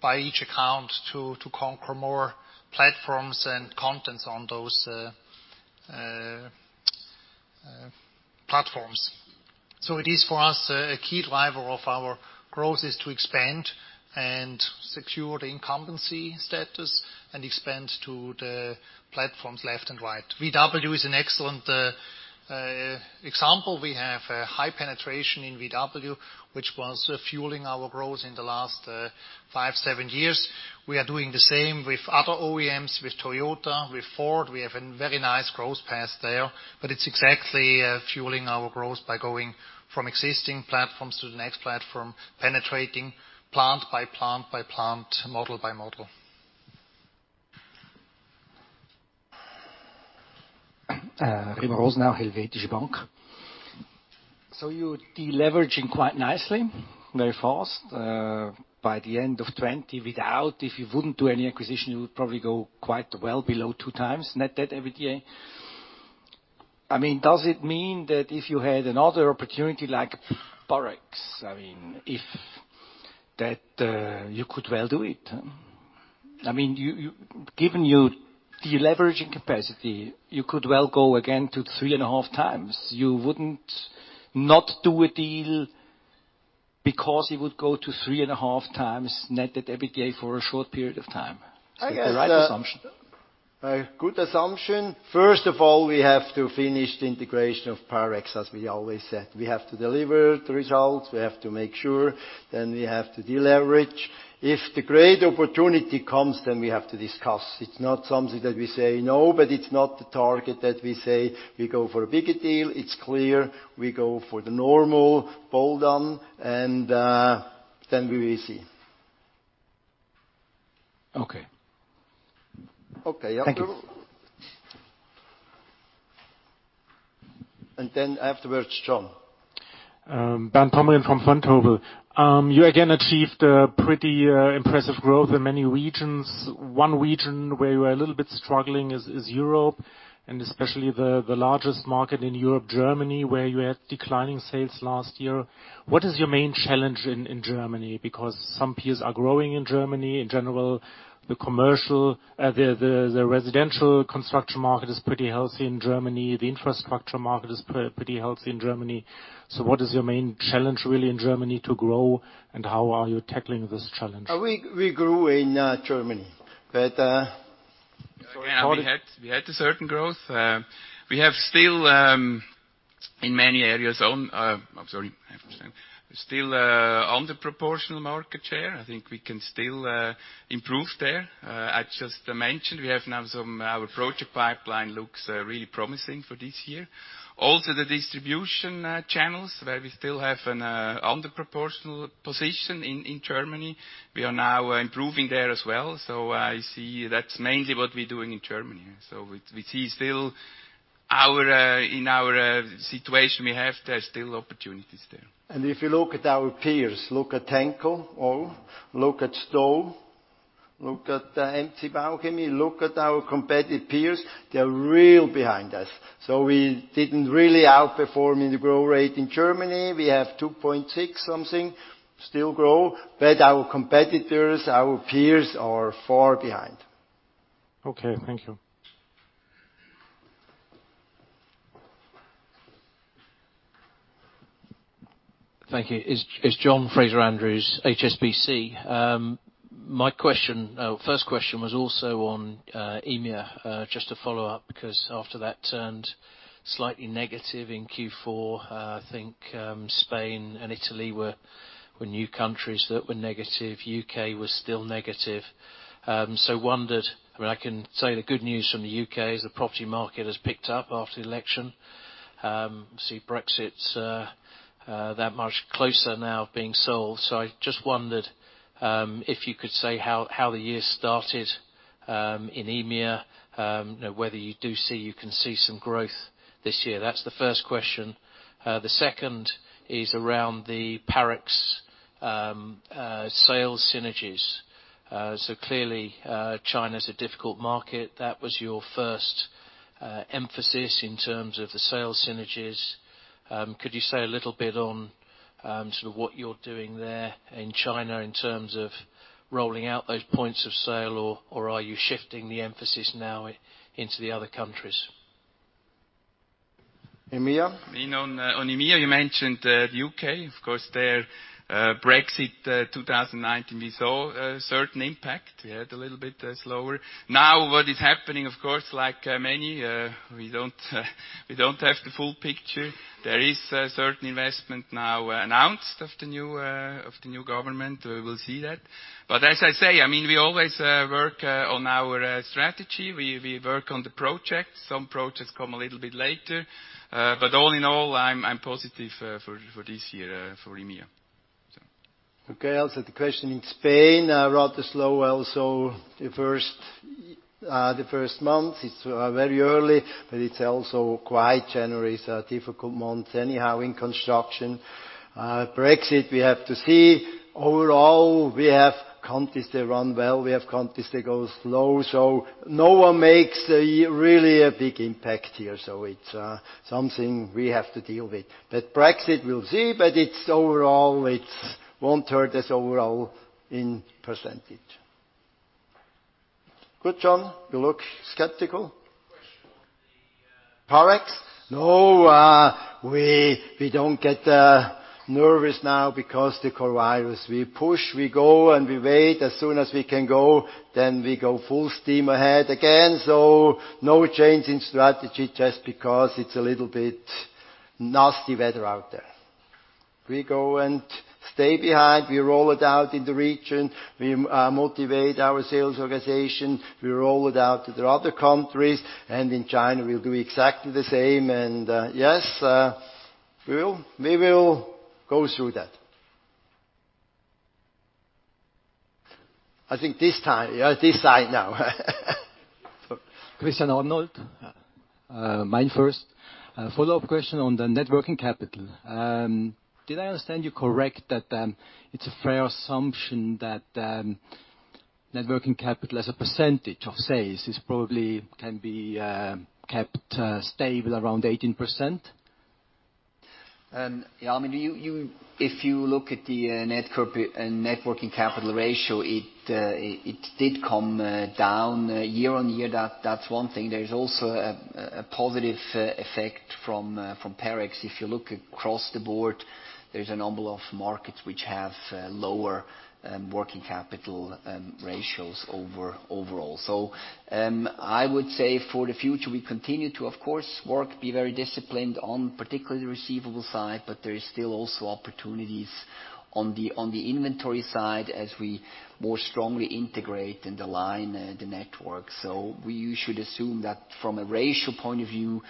by each account to conquer more platforms and contents on those platforms. It is for us, a key driver of our growth is to expand and secure the incumbency status and expand to the platforms left and right. VW is an excellent example. We have a high penetration in VW, which was fueling our growth in the last five, seven years. We are doing the same with other OEMs, with Toyota, with Ford. We have a very nice growth path there. It's exactly fueling our growth by going from existing platforms to the next platform, penetrating plant by plant by plant, model by model. Remo Rosenau, Helvetische Bank. You're deleveraging quite nicely, very fast. By the end of 2020, if you wouldn't do any acquisition, you would probably go quite well below 2x net debt EBITDA. Does it mean that if you had another opportunity like Parex, that you could well do it? Given your deleveraging capacity, you could well go again to 3.5x. You wouldn't not do a deal because it would go to 3.5x net debt EBITDA for a short period of time. Is that the right assumption? A good assumption. First of all, we have to finish the integration of Parex, as we always said. We have to deliver the results, we have to make sure, then we have to deleverage. If the great opportunity comes, then we have to discuss. It's not something that we say no, but it's not the target that we say we go for a bigger deal. It's clear, we go for the normal, bolt-on, and then we will see. Okay. Okay, Hugo. Thank you. Afterwards, John. Bernd Thoman from Vontobel. You again achieved a pretty impressive growth in many regions. One region where you are a little bit struggling is Europe, and especially the largest market in Europe, Germany, where you had declining sales last year. What is your main challenge in Germany? Some peers are growing in Germany. In general, the residential construction market is pretty healthy in Germany. The infrastructure market is pretty healthy in Germany. What is your main challenge really in Germany to grow, and how are you tackling this challenge? We grew in Germany. Sorry, Paul. We had a certain growth. We have still in many areas, I'm sorry, still under proportional market share. I think we can still improve there. I just mentioned, our project pipeline looks really promising for this year. The distribution channels where we still have an under proportional position in Germany. We are now improving there as well. I see that's mainly what we're doing in Germany. We see still in our situation we have there are still opportunities there. If you look at our peers, look at Henkel or look at Sto, look at MC-Bauchemie, look at our competitive peers, they are real behind us. We didn't really outperform in the growth rate in Germany. We have 2.6 something, still grow. Our competitors, our peers are far behind. Okay. Thank you. Thank you. It's John Fraser-Andrews, HSBC. My first question was also on EMEA, just to follow up, because after that turned slightly negative in Q4, I think Spain and Italy were new countries that were negative. U.K. was still negative. Wondered, I can say the good news from the U.K. is the property market has picked up after the election. Obviously, Brexit's that much closer now being sold. I just wondered if you could say how the year started in EMEA, whether you do see you can see some growth this year. That's the first question. The second is around the Parex sales synergies. Clearly, China's a difficult market. That was your first emphasis in terms of the sales synergies. Could you say a little bit on sort of what you're doing there in China in terms of rolling out those points of sale, or are you shifting the emphasis now into the other countries? EMEA? On EMEA, you mentioned the U.K. Of course, their Brexit 2019, we saw a certain impact. We had a little bit slower. What is happening, of course, like many, we don't have the full picture. There is a certain investment now announced of the new government. We will see that. As I say, we always work on our strategy. We work on the projects. Some projects come a little bit later. All in all, I'm positive for this year for EMEA. Okay. The question in Spain, rather slow also the first month. It's very early, but it's also quite January is a difficult month anyhow in construction. Brexit, we have to see. Overall, we have countries that run well, we have countries that go slow, so no one makes really a big impact here. It's something we have to deal with. Brexit, we'll see, but overall, it won't hurt us overall in percentage. Good, John? You look skeptical. Question on the- Parex? No, we don't get nervous now because the coronavirus. We push, we go, and we wait. As soon as we can go, then we go full steam ahead again. No change in strategy just because it's a little bit nasty weather out there. We go and stay behind. We roll it out in the region. We motivate our sales organization. We roll it out to the other countries, and in China, we'll do exactly the same. Yes, we will go through that. I think this side now. Christian Arnold. Mine first. A follow-up question on the networking capital. Did I understand you correct that it's a fair assumption that networking capital as a percentage of sales is probably can be kept stable around 18%? Yeah, if you look at the networking capital ratio, it did come down year on year. That's one thing. There is also a positive effect from Parex. If you look across the board, there's a number of markets which have lower working capital ratios overall. I would say for the future, we continue to, of course, work, be very disciplined on particularly the receivable side, but there is still also opportunities on the inventory side as we more strongly integrate and align the network. You should assume that from a ratio point of view,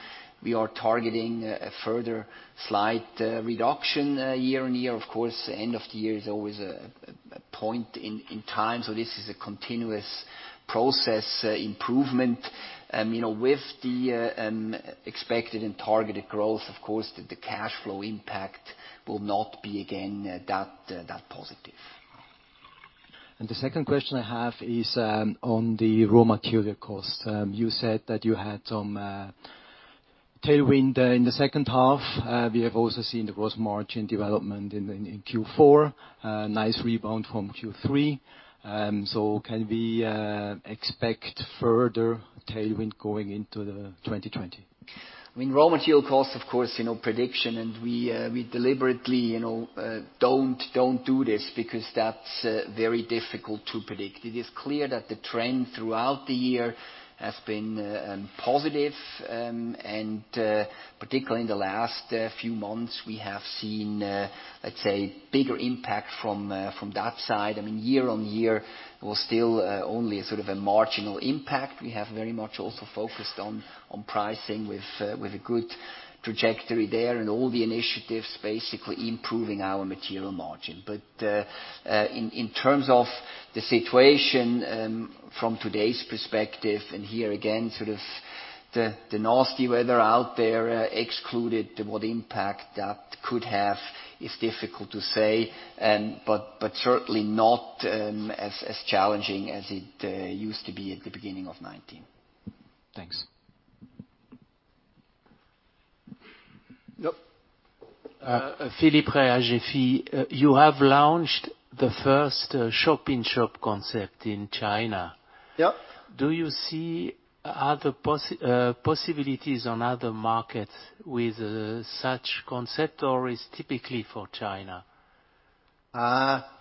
we are targeting a further slight reduction year on year. Of course, end of the year is always a point in time. This is a continuous process improvement. With the expected and targeted growth, of course, the cash flow impact will not be, again, that positive. The second question I have is on the raw material cost. You said that you had some tailwind in the second half. We have also seen the gross margin development in Q4, a nice rebound from Q3. Can we expect further tailwind going into 2020? Raw material costs, of course, prediction. We deliberately don't do this because that's very difficult to predict. It is clear that the trend throughout the year has been positive. Particularly in the last few months, we have seen, let's say, bigger impact from that side. Year-on-year, it was still only sort of a marginal impact. We have very much also focused on pricing with a good trajectory there and all the initiatives basically improving our material margin. In terms of the situation from today's perspective, and here again, sort of the nasty weather out there excluded, what impact that could have is difficult to say, but certainly not as challenging as it used to be at the beginning of 2019. Thanks. Yep. Philippe Reilhac, FI. You have launched the first shop-in-shop concept in China. Yep. Do you see other possibilities on other markets with such concept, or is typically for China?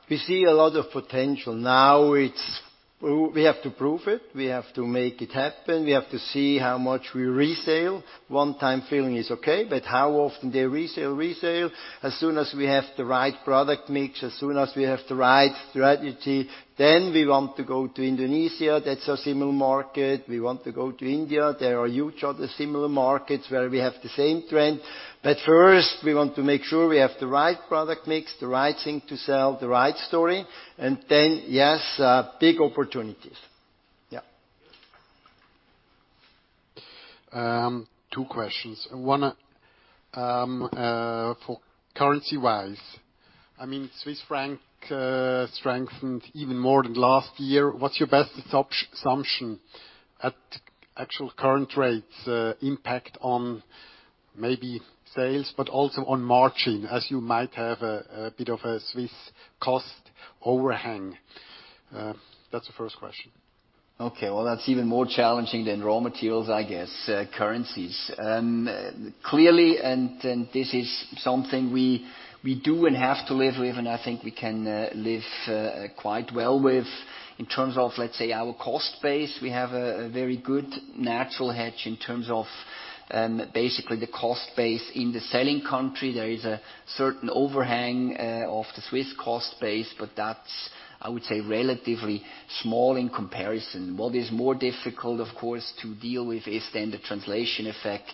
We see a lot of potential. Now it's. We have to prove it. We have to make it happen. We have to see how much we resale. One-time filling is okay, but how often they resale. As soon as we have the right product mix, as soon as we have the right strategy, we want to go to Indonesia. That's a similar market. We want to go to India. There are huge other similar markets where we have the same trend. First, we want to make sure we have the right product mix, the right thing to sell, the right story, and yes, big opportunities. Yeah. Two questions. One, for currency-wise. Swiss franc strengthened even more than last year. What's your best assumption at actual current rates impact on maybe sales but also on margin, as you might have a bit of a Swiss cost overhang? That's the first question. Okay. Well, that's even more challenging than raw materials, I guess, currencies. Clearly, this is something we do and have to live with, and I think we can live quite well with, in terms of, let's say, our cost base. We have a very good natural hedge in terms of basically the cost base in the selling country. There is a certain overhang of the Swiss cost base, but that's, I would say, relatively small in comparison. What is more difficult, of course, to deal with is then the translation effect.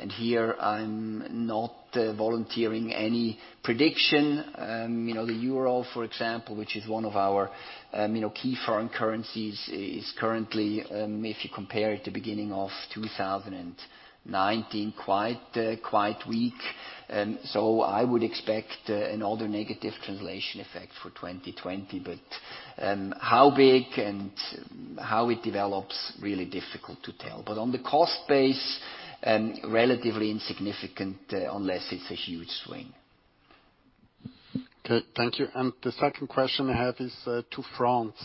Here I'm not volunteering any prediction. The euro, for example, which is one of our key foreign currencies, is currently, if you compare it to beginning of 2019, quite weak. I would expect another negative translation effect for 2020. How big and how it develops, really difficult to tell. On the cost base, relatively insignificant unless it's a huge swing. Okay. Thank you. The second question I have is to France.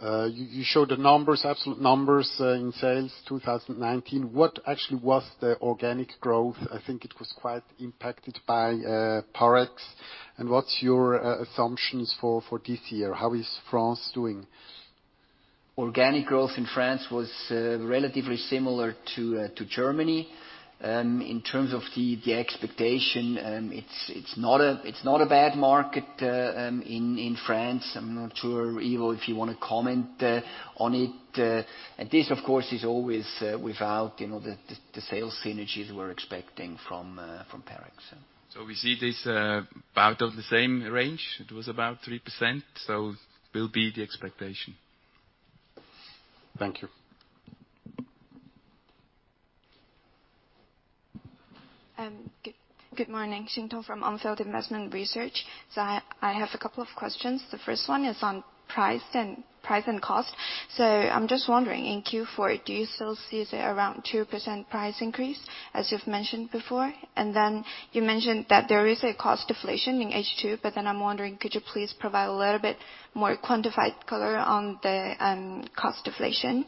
You showed the absolute numbers in sales 2019. What actually was the organic growth? I think it was quite impacted by Parex. What's your assumptions for this year? How is France doing? Organic growth in France was relatively similar to Germany. In terms of the expectation, it's not a bad market in France. I'm not sure, Ivo, if you want to comment on it. This, of course, is always without the sales synergies we're expecting from Parex. We see this about of the same range. It was about 3%, so will be the expectation. Thank you. Good morning, Xintong Ouyang from On Field Investment Research. I have a couple of questions. The first one is on price and cost. I'm just wondering, in Q4, do you still see the around 2% price increase as you've mentioned before? You mentioned that there is a cost deflation in H2. I'm wondering, could you please provide a little bit more quantified color on the cost deflation?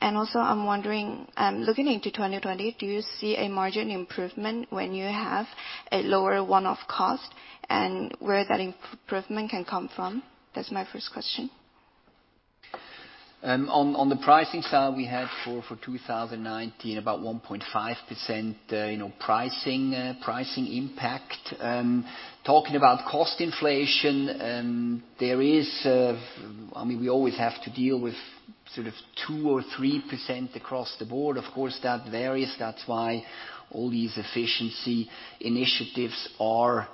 Also, I'm wondering, looking into 2020, do you see a margin improvement when you have a lower one-off cost and where that improvement can come from? That's my first question. On the pricing side, we had for 2019 about 1.5% pricing impact. Talking about cost inflation, we always have to deal with sort of 2% or 3% across the board. Of course, that varies. That's why all these efficiency initiatives are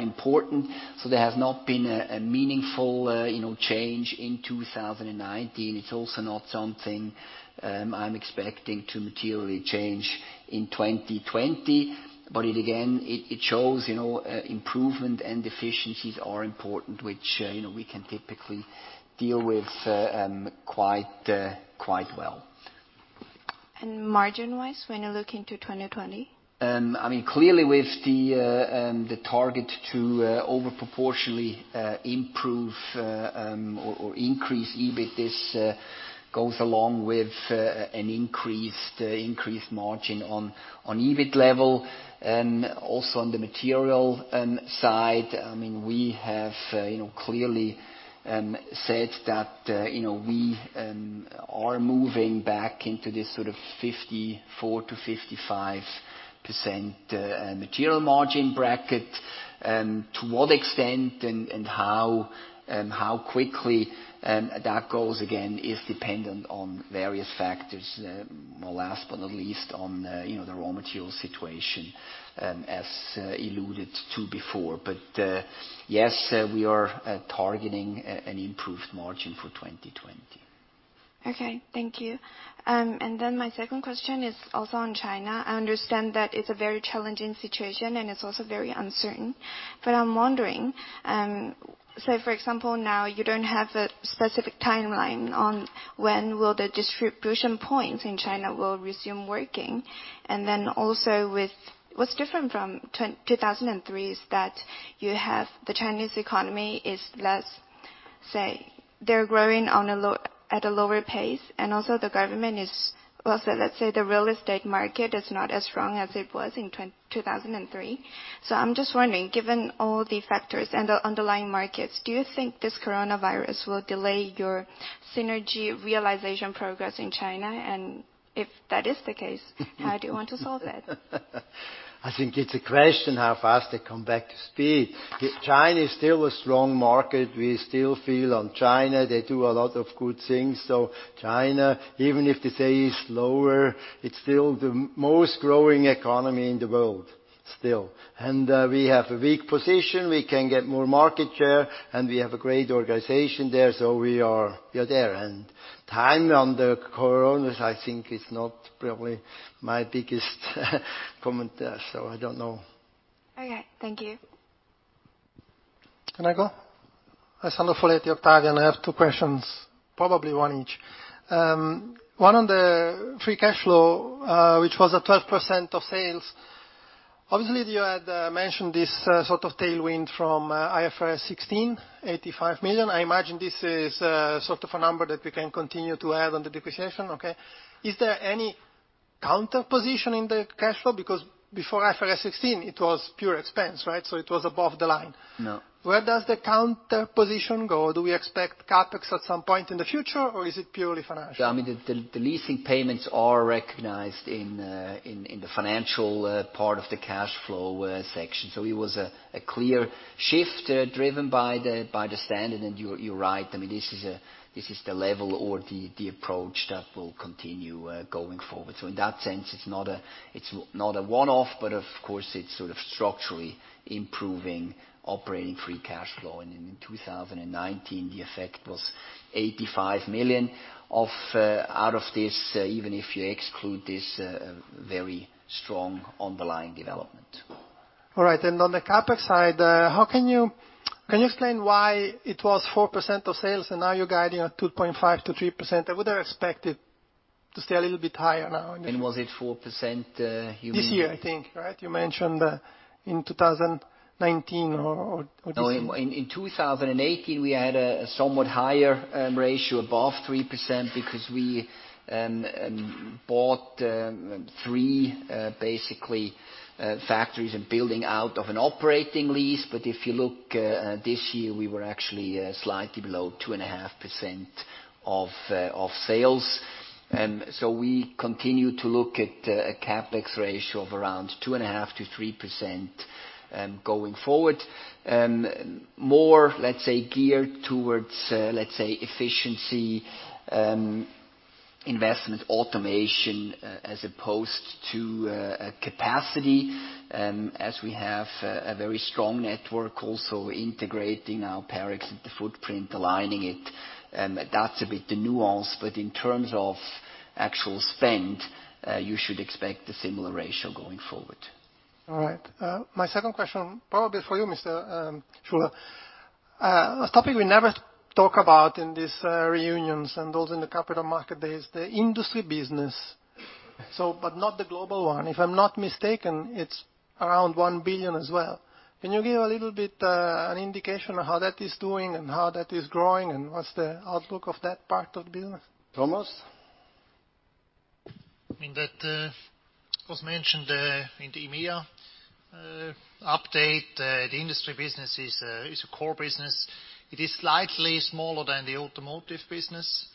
important. There has not been a meaningful change in 2019. It's also not something I'm expecting to materially change in 2020. Again, it shows improvement and efficiencies are important, which we can typically deal with quite well. Margin-wise, when you look into 2020? Clearly with the target to over proportionally improve or increase EBIT, this goes along with an increased margin on EBIT level. On the material side, we have clearly said that we are moving back into this sort of 54%-55% material margin bracket. To what extent and how quickly that goes again is dependent on various factors, last but not least on the raw material situation as alluded to before. Yes, we are targeting an improved margin for 2020. Okay, thank you. My second question is also on China. I understand that it's a very challenging situation and it's also very uncertain, but I'm wondering, so for example, now you don't have a specific timeline on when will the distribution points in China will resume working, and then also what's different from 2003 is that the Chinese economy is less they're growing at a lower pace, and also the government is Let's say the real estate market is not as strong as it was in 2003. I'm just wondering, given all the factors and the underlying markets, do you think this coronavirus will delay your synergy realization progress in China? If that is the case, how do you want to solve it? I think it's a question how fast they come back to speed. China is still a strong market. We still feel on China, they do a lot of good things. China, even if they say it's slower, it's still the most growing economy in the world, still. We have a weak position. We can get more market share, and we have a great organization there, so we are there. Time on the coronavirus, I think, is not probably my biggest comment there. I don't know. Okay. Thank you. Can I go? Yes. I have two questions, probably one each. One on the free cash flow, which was at 12% of sales. Obviously, you had mentioned this sort of tailwind from IFRS 16, 85 million. I imagine this is sort of a number that we can continue to add on the depreciation, okay? Is there any counter position in the cash flow? Before IFRS 16, it was pure expense, right? It was above the line. No. Where does the counter position go? Do we expect CapEx at some point in the future, or is it purely financial? The leasing payments are recognized in the financial part of the cash flow section. It was a clear shift driven by the standard, and you're right. This is the level or the approach that will continue going forward. In that sense, it's not a one-off, but of course, it's sort of structurally improving operating free cash flow. In 2019, the effect was 85 million out of this, even if you exclude this very strong underlying development. All right. On the CapEx side, can you explain why it was 4% of sales and now you're guiding at 2.5%-3%? I would have expected to stay a little bit higher now. Was it 4%? This year, I think. You mentioned in 2019. In 2018, we had a somewhat higher ratio, above 3%, because we bought three, basically, factories and building out of an operating lease. If you look this year, we were actually slightly below 2.5% of sales. We continue to look at a CapEx ratio of around 2.5%-3% going forward. More, let's say, geared towards efficiency investment automation as opposed to capacity, as we have a very strong network also integrating our Parex footprint, aligning it. That's a bit the nuance. In terms of actual spend, you should expect a similar ratio going forward. All right. My second question, probably for you, Mr. Schuler. A topic we never talk about in these reunions and also in the capital market days, the industry business. Not the global one. If I'm not mistaken, it's around 1 billion as well. Can you give a little bit an indication of how that is doing and how that is growing, and what's the outlook of that part of the business? Thomas? It was mentioned in the EMEA update. The industry business is a core business. It is slightly smaller than the automotive business.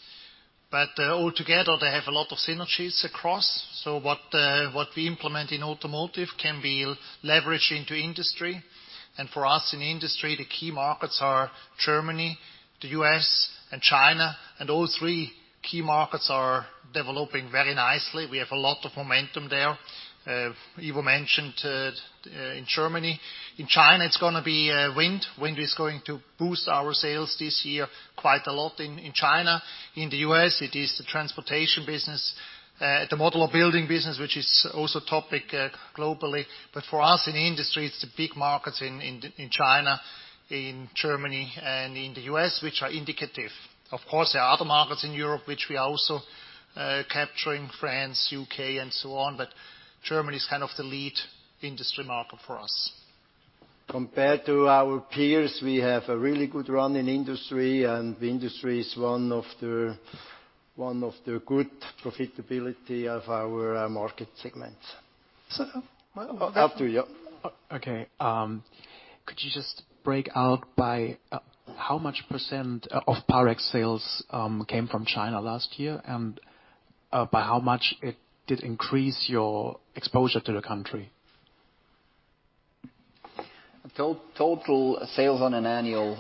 Altogether, they have a lot of synergies across. What we implement in automotive can be leveraged into industry. For us in industry, the key markets are Germany, the U.S., and China, and all three key markets are developing very nicely. We have a lot of momentum there. Ivo mentioned in Germany. In China, it's going to be wind. Wind is going to boost our sales this year quite a lot in China. In the U.S., it is the transportation business, the modular building business, which is also topic globally. For us in the industry, it's the big markets in China, in Germany, and in the U.S., which are indicative. There are other markets in Europe which we are also capturing, France, U.K., and so on, but Germany is kind of the lead industry market for us. Compared to our peers, we have a really good run in industry. Industry is one of the good profitability of our market segments. So- After you. Okay. Could you just break out by how much percent of Parex sales came from China last year, and by how much it did increase your exposure to the country? Total sales on an annual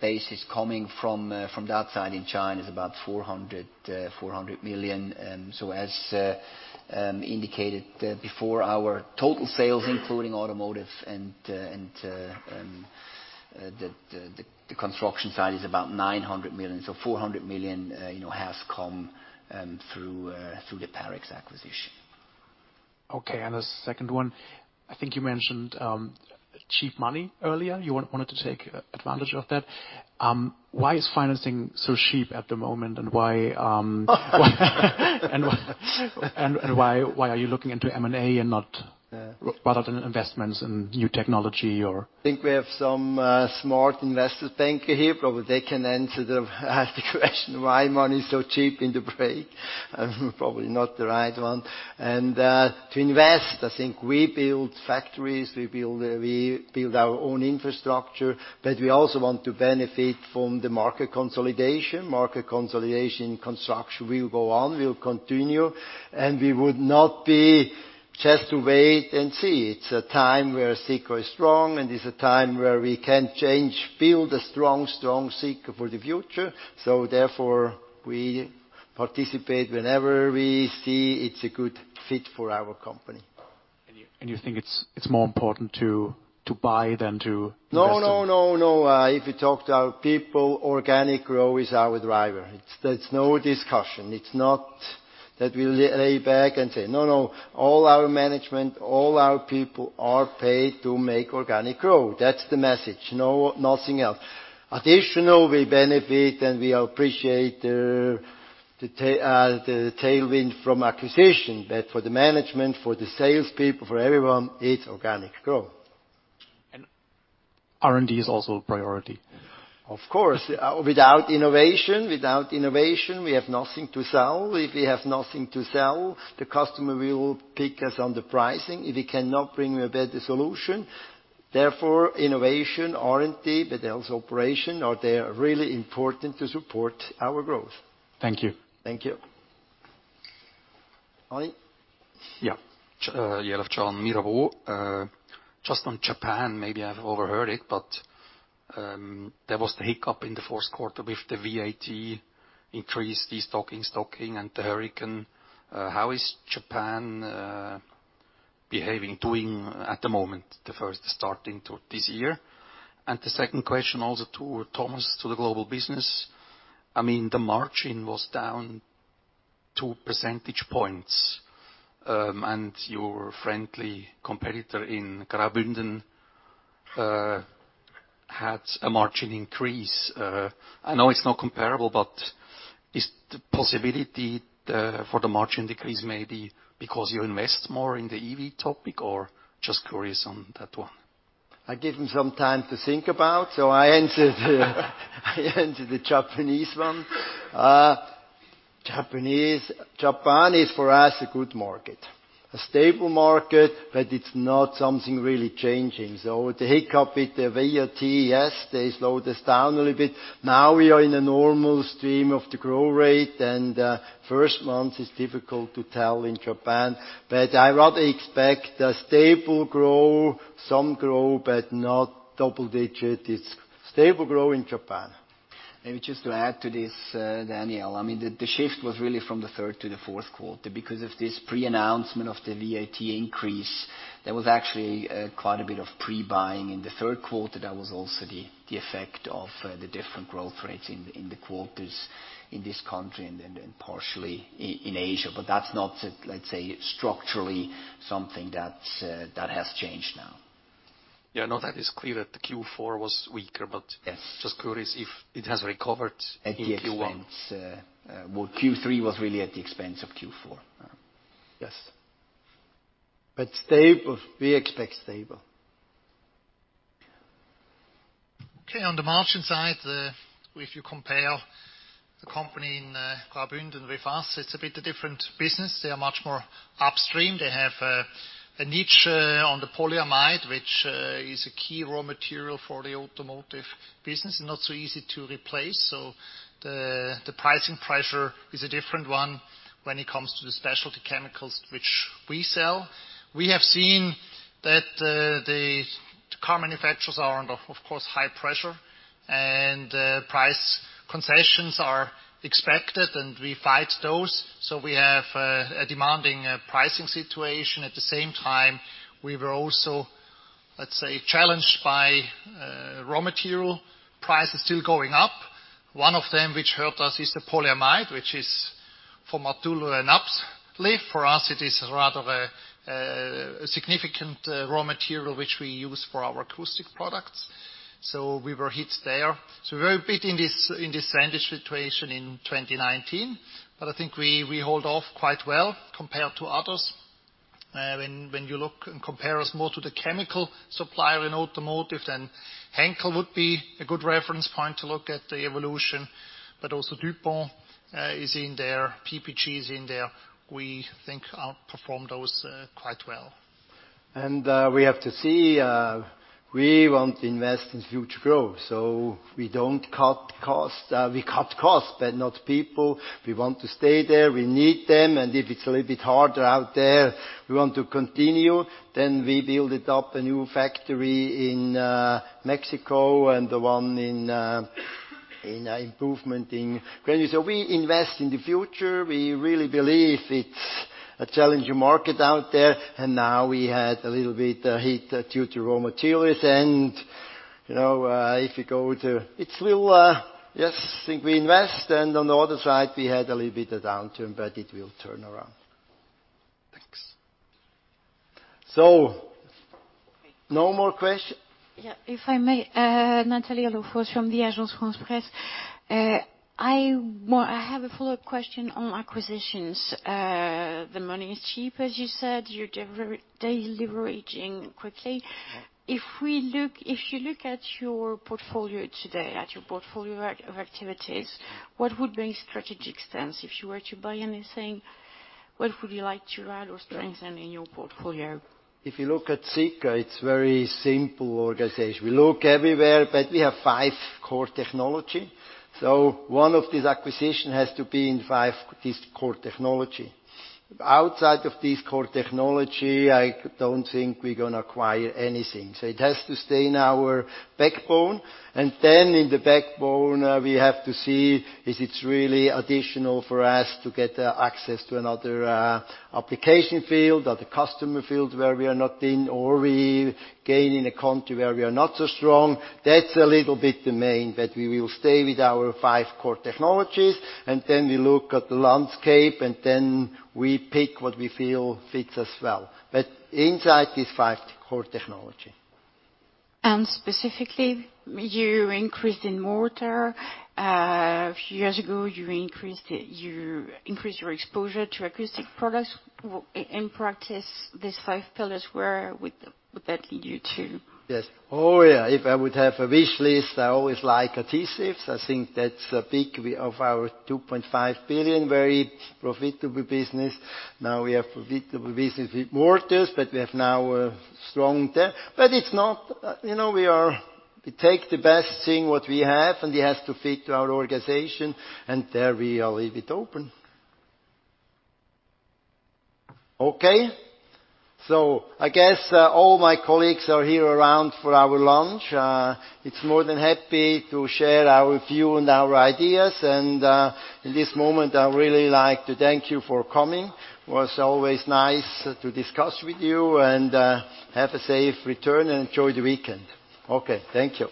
basis coming from that side in China is about 400 million. As indicated before, our total sales, including automotive and the construction side, is about 900 million. 400 million has come through the Parex acquisition. Okay, and the second one, I think you mentioned cheap money earlier. You wanted to take advantage of that. Why is financing so cheap at the moment? Why are you looking into M&A and not rather than investments in new technology or? I think we have some smart investor banker here. Probably they can answer the question, why money is so cheap in the break. Probably not the right one. To invest, I think we build factories, we build our own infrastructure, but we also want to benefit from the market consolidation. Market consolidation, construction will go on, will continue, and we would not be just to wait and see. It's a time where Sika is strong, and it's a time where we can change, build a strong Sika for the future. Therefore, we participate whenever we see it's a good fit for our company. You think it's more important to buy than to invest? No. If you talk to our people, organic growth is our driver. There's no discussion. It's not that we lay back and say No, all our management, all our people are paid to make organic growth. That's the message. Nothing else. Additional, we benefit, and we appreciate the tailwind from acquisition, but for the management, for the salespeople, for everyone, it's organic growth. R&D is also a priority? Of course. Without innovation, we have nothing to sell. If we have nothing to sell, the customer will pick us on the pricing if we cannot bring a better solution. Therefore, innovation, R&D, but also operation, are really important to support our growth. Thank you. Thank you. Oli? Yeah. Yeah. Just on Japan, maybe I've overheard it, but there was the hiccup in the fourth quarter with the VAT increase, the stocking and the hurricane. How is Japan behaving, doing at the moment, the first starting to this year? The second question also to Thomas, to the global business. I mean, the margin was down two percentage points, and your friendly competitor in Graubünden had a margin increase. I know it's not comparable, but is the possibility for the margin decrease maybe because you invest more in the EV topic, or just curious on that one? I give him some time to think about. I answer the Japanese one. Japan is for us a good market, a stable market. It's not something really changing. The hiccup with the VAT, yes, they slowed us down a little bit. Now we are in a normal stream of the growth rate. First month is difficult to tell in Japan. I rather expect a stable growth, some growth, but not double-digit. It's stable growth in Japan. Maybe just to add to this, Daniel, I mean, the shift was really from the third to the fourth quarter because of this pre-announcement of the VAT increase. That was also the effect of the different growth rates in the quarters in this country and partially in Asia. That's not, let's say, structurally something that has changed now. Yeah. No, that is clear that the Q4 was weaker. Yes. Just curious if it has recovered in Q1. At the expense. Well, Q3 was really at the expense of Q4. Yes. We expect stable. On the margin side, if you compare the company in Graubünden with us, it's a bit different business. They are much more upstream. They have a niche on the polyamide, which is a key raw material for the automotive business, and not so easy to replace. The pricing pressure is a different one when it comes to the specialty chemicals which we sell. We have seen that the car manufacturers are under, of course, high pressure, and price concessions are expected, and we fight those. We have a demanding pricing situation. At the same time, we were also, let's say, challenged by raw material prices still going up. One of them which hurt us is the polyamide. For Matula and ABS, for us it is rather a significant raw material which we use for our acoustic products. We were hit there. We were a bit in this sandwiched situation in 2019, but I think we hold off quite well compared to others. When you look and compare us more to the chemical supplier in automotive, then Henkel would be a good reference point to look at the evolution. Also DuPont is in there, PPG is in there. We think outperform those quite well. We have to see, we want to invest in future growth. We don't cut cost. We cut cost, but not people. We want to stay there. We need them, and if it's a little bit harder out there, we want to continue. We build it up, a new factory in Mexico and the one in improvement in. We invest in the future. We really believe it's a challenging market out there. Now we had a little bit hit due to raw materials. If you go to Yes, I think we invest. On the other side, we had a little bit of downturn, but it will turn around. Thanks. No more questions. Yeah, if I may. Natalie Handel from the Agence France-Presse. I have a follow-up question on acquisitions. The money is cheap, as you said. You're deleveraging quickly. Yeah. If you look at your portfolio today, at your portfolio of activities, what would make strategic sense if you were to buy anything? What would you like to add or strengthen in your portfolio? If you look at Sika, it's very simple organization. We look everywhere, but we have five core technology. One of these acquisition has to be in five, this core technology. Outside of this core technology, I don't think we're going to acquire anything. It has to stay in our backbone. In the backbone, we have to see if it's really additional for us to get access to another application field or the customer field where we are not in, or we gain in a country where we are not so strong. That's a little bit the main, but we will stay with our five core technologies, and then we look at the landscape, and then we pick what we feel fits us well, but inside these five core technology. Specifically, you increased in mortar. A few years ago, you increased your exposure to acoustic products. In practice, these five pillars were with that lead you to? Yes. Oh, yeah. If I would have a wish list, I always like adhesives. I think that's a big of our 2.5 billion, very profitable business. We have profitable business with mortars, we have now a strong there. We take the best thing what we have, it has to fit our organization, there we leave it open. Okay. I guess all my colleagues are here around for our lunch. It's more than happy to share our view and our ideas. In this moment, I'd really like to thank you for coming. It was always nice to discuss with you, have a safe return, enjoy the weekend. Okay. Thank you.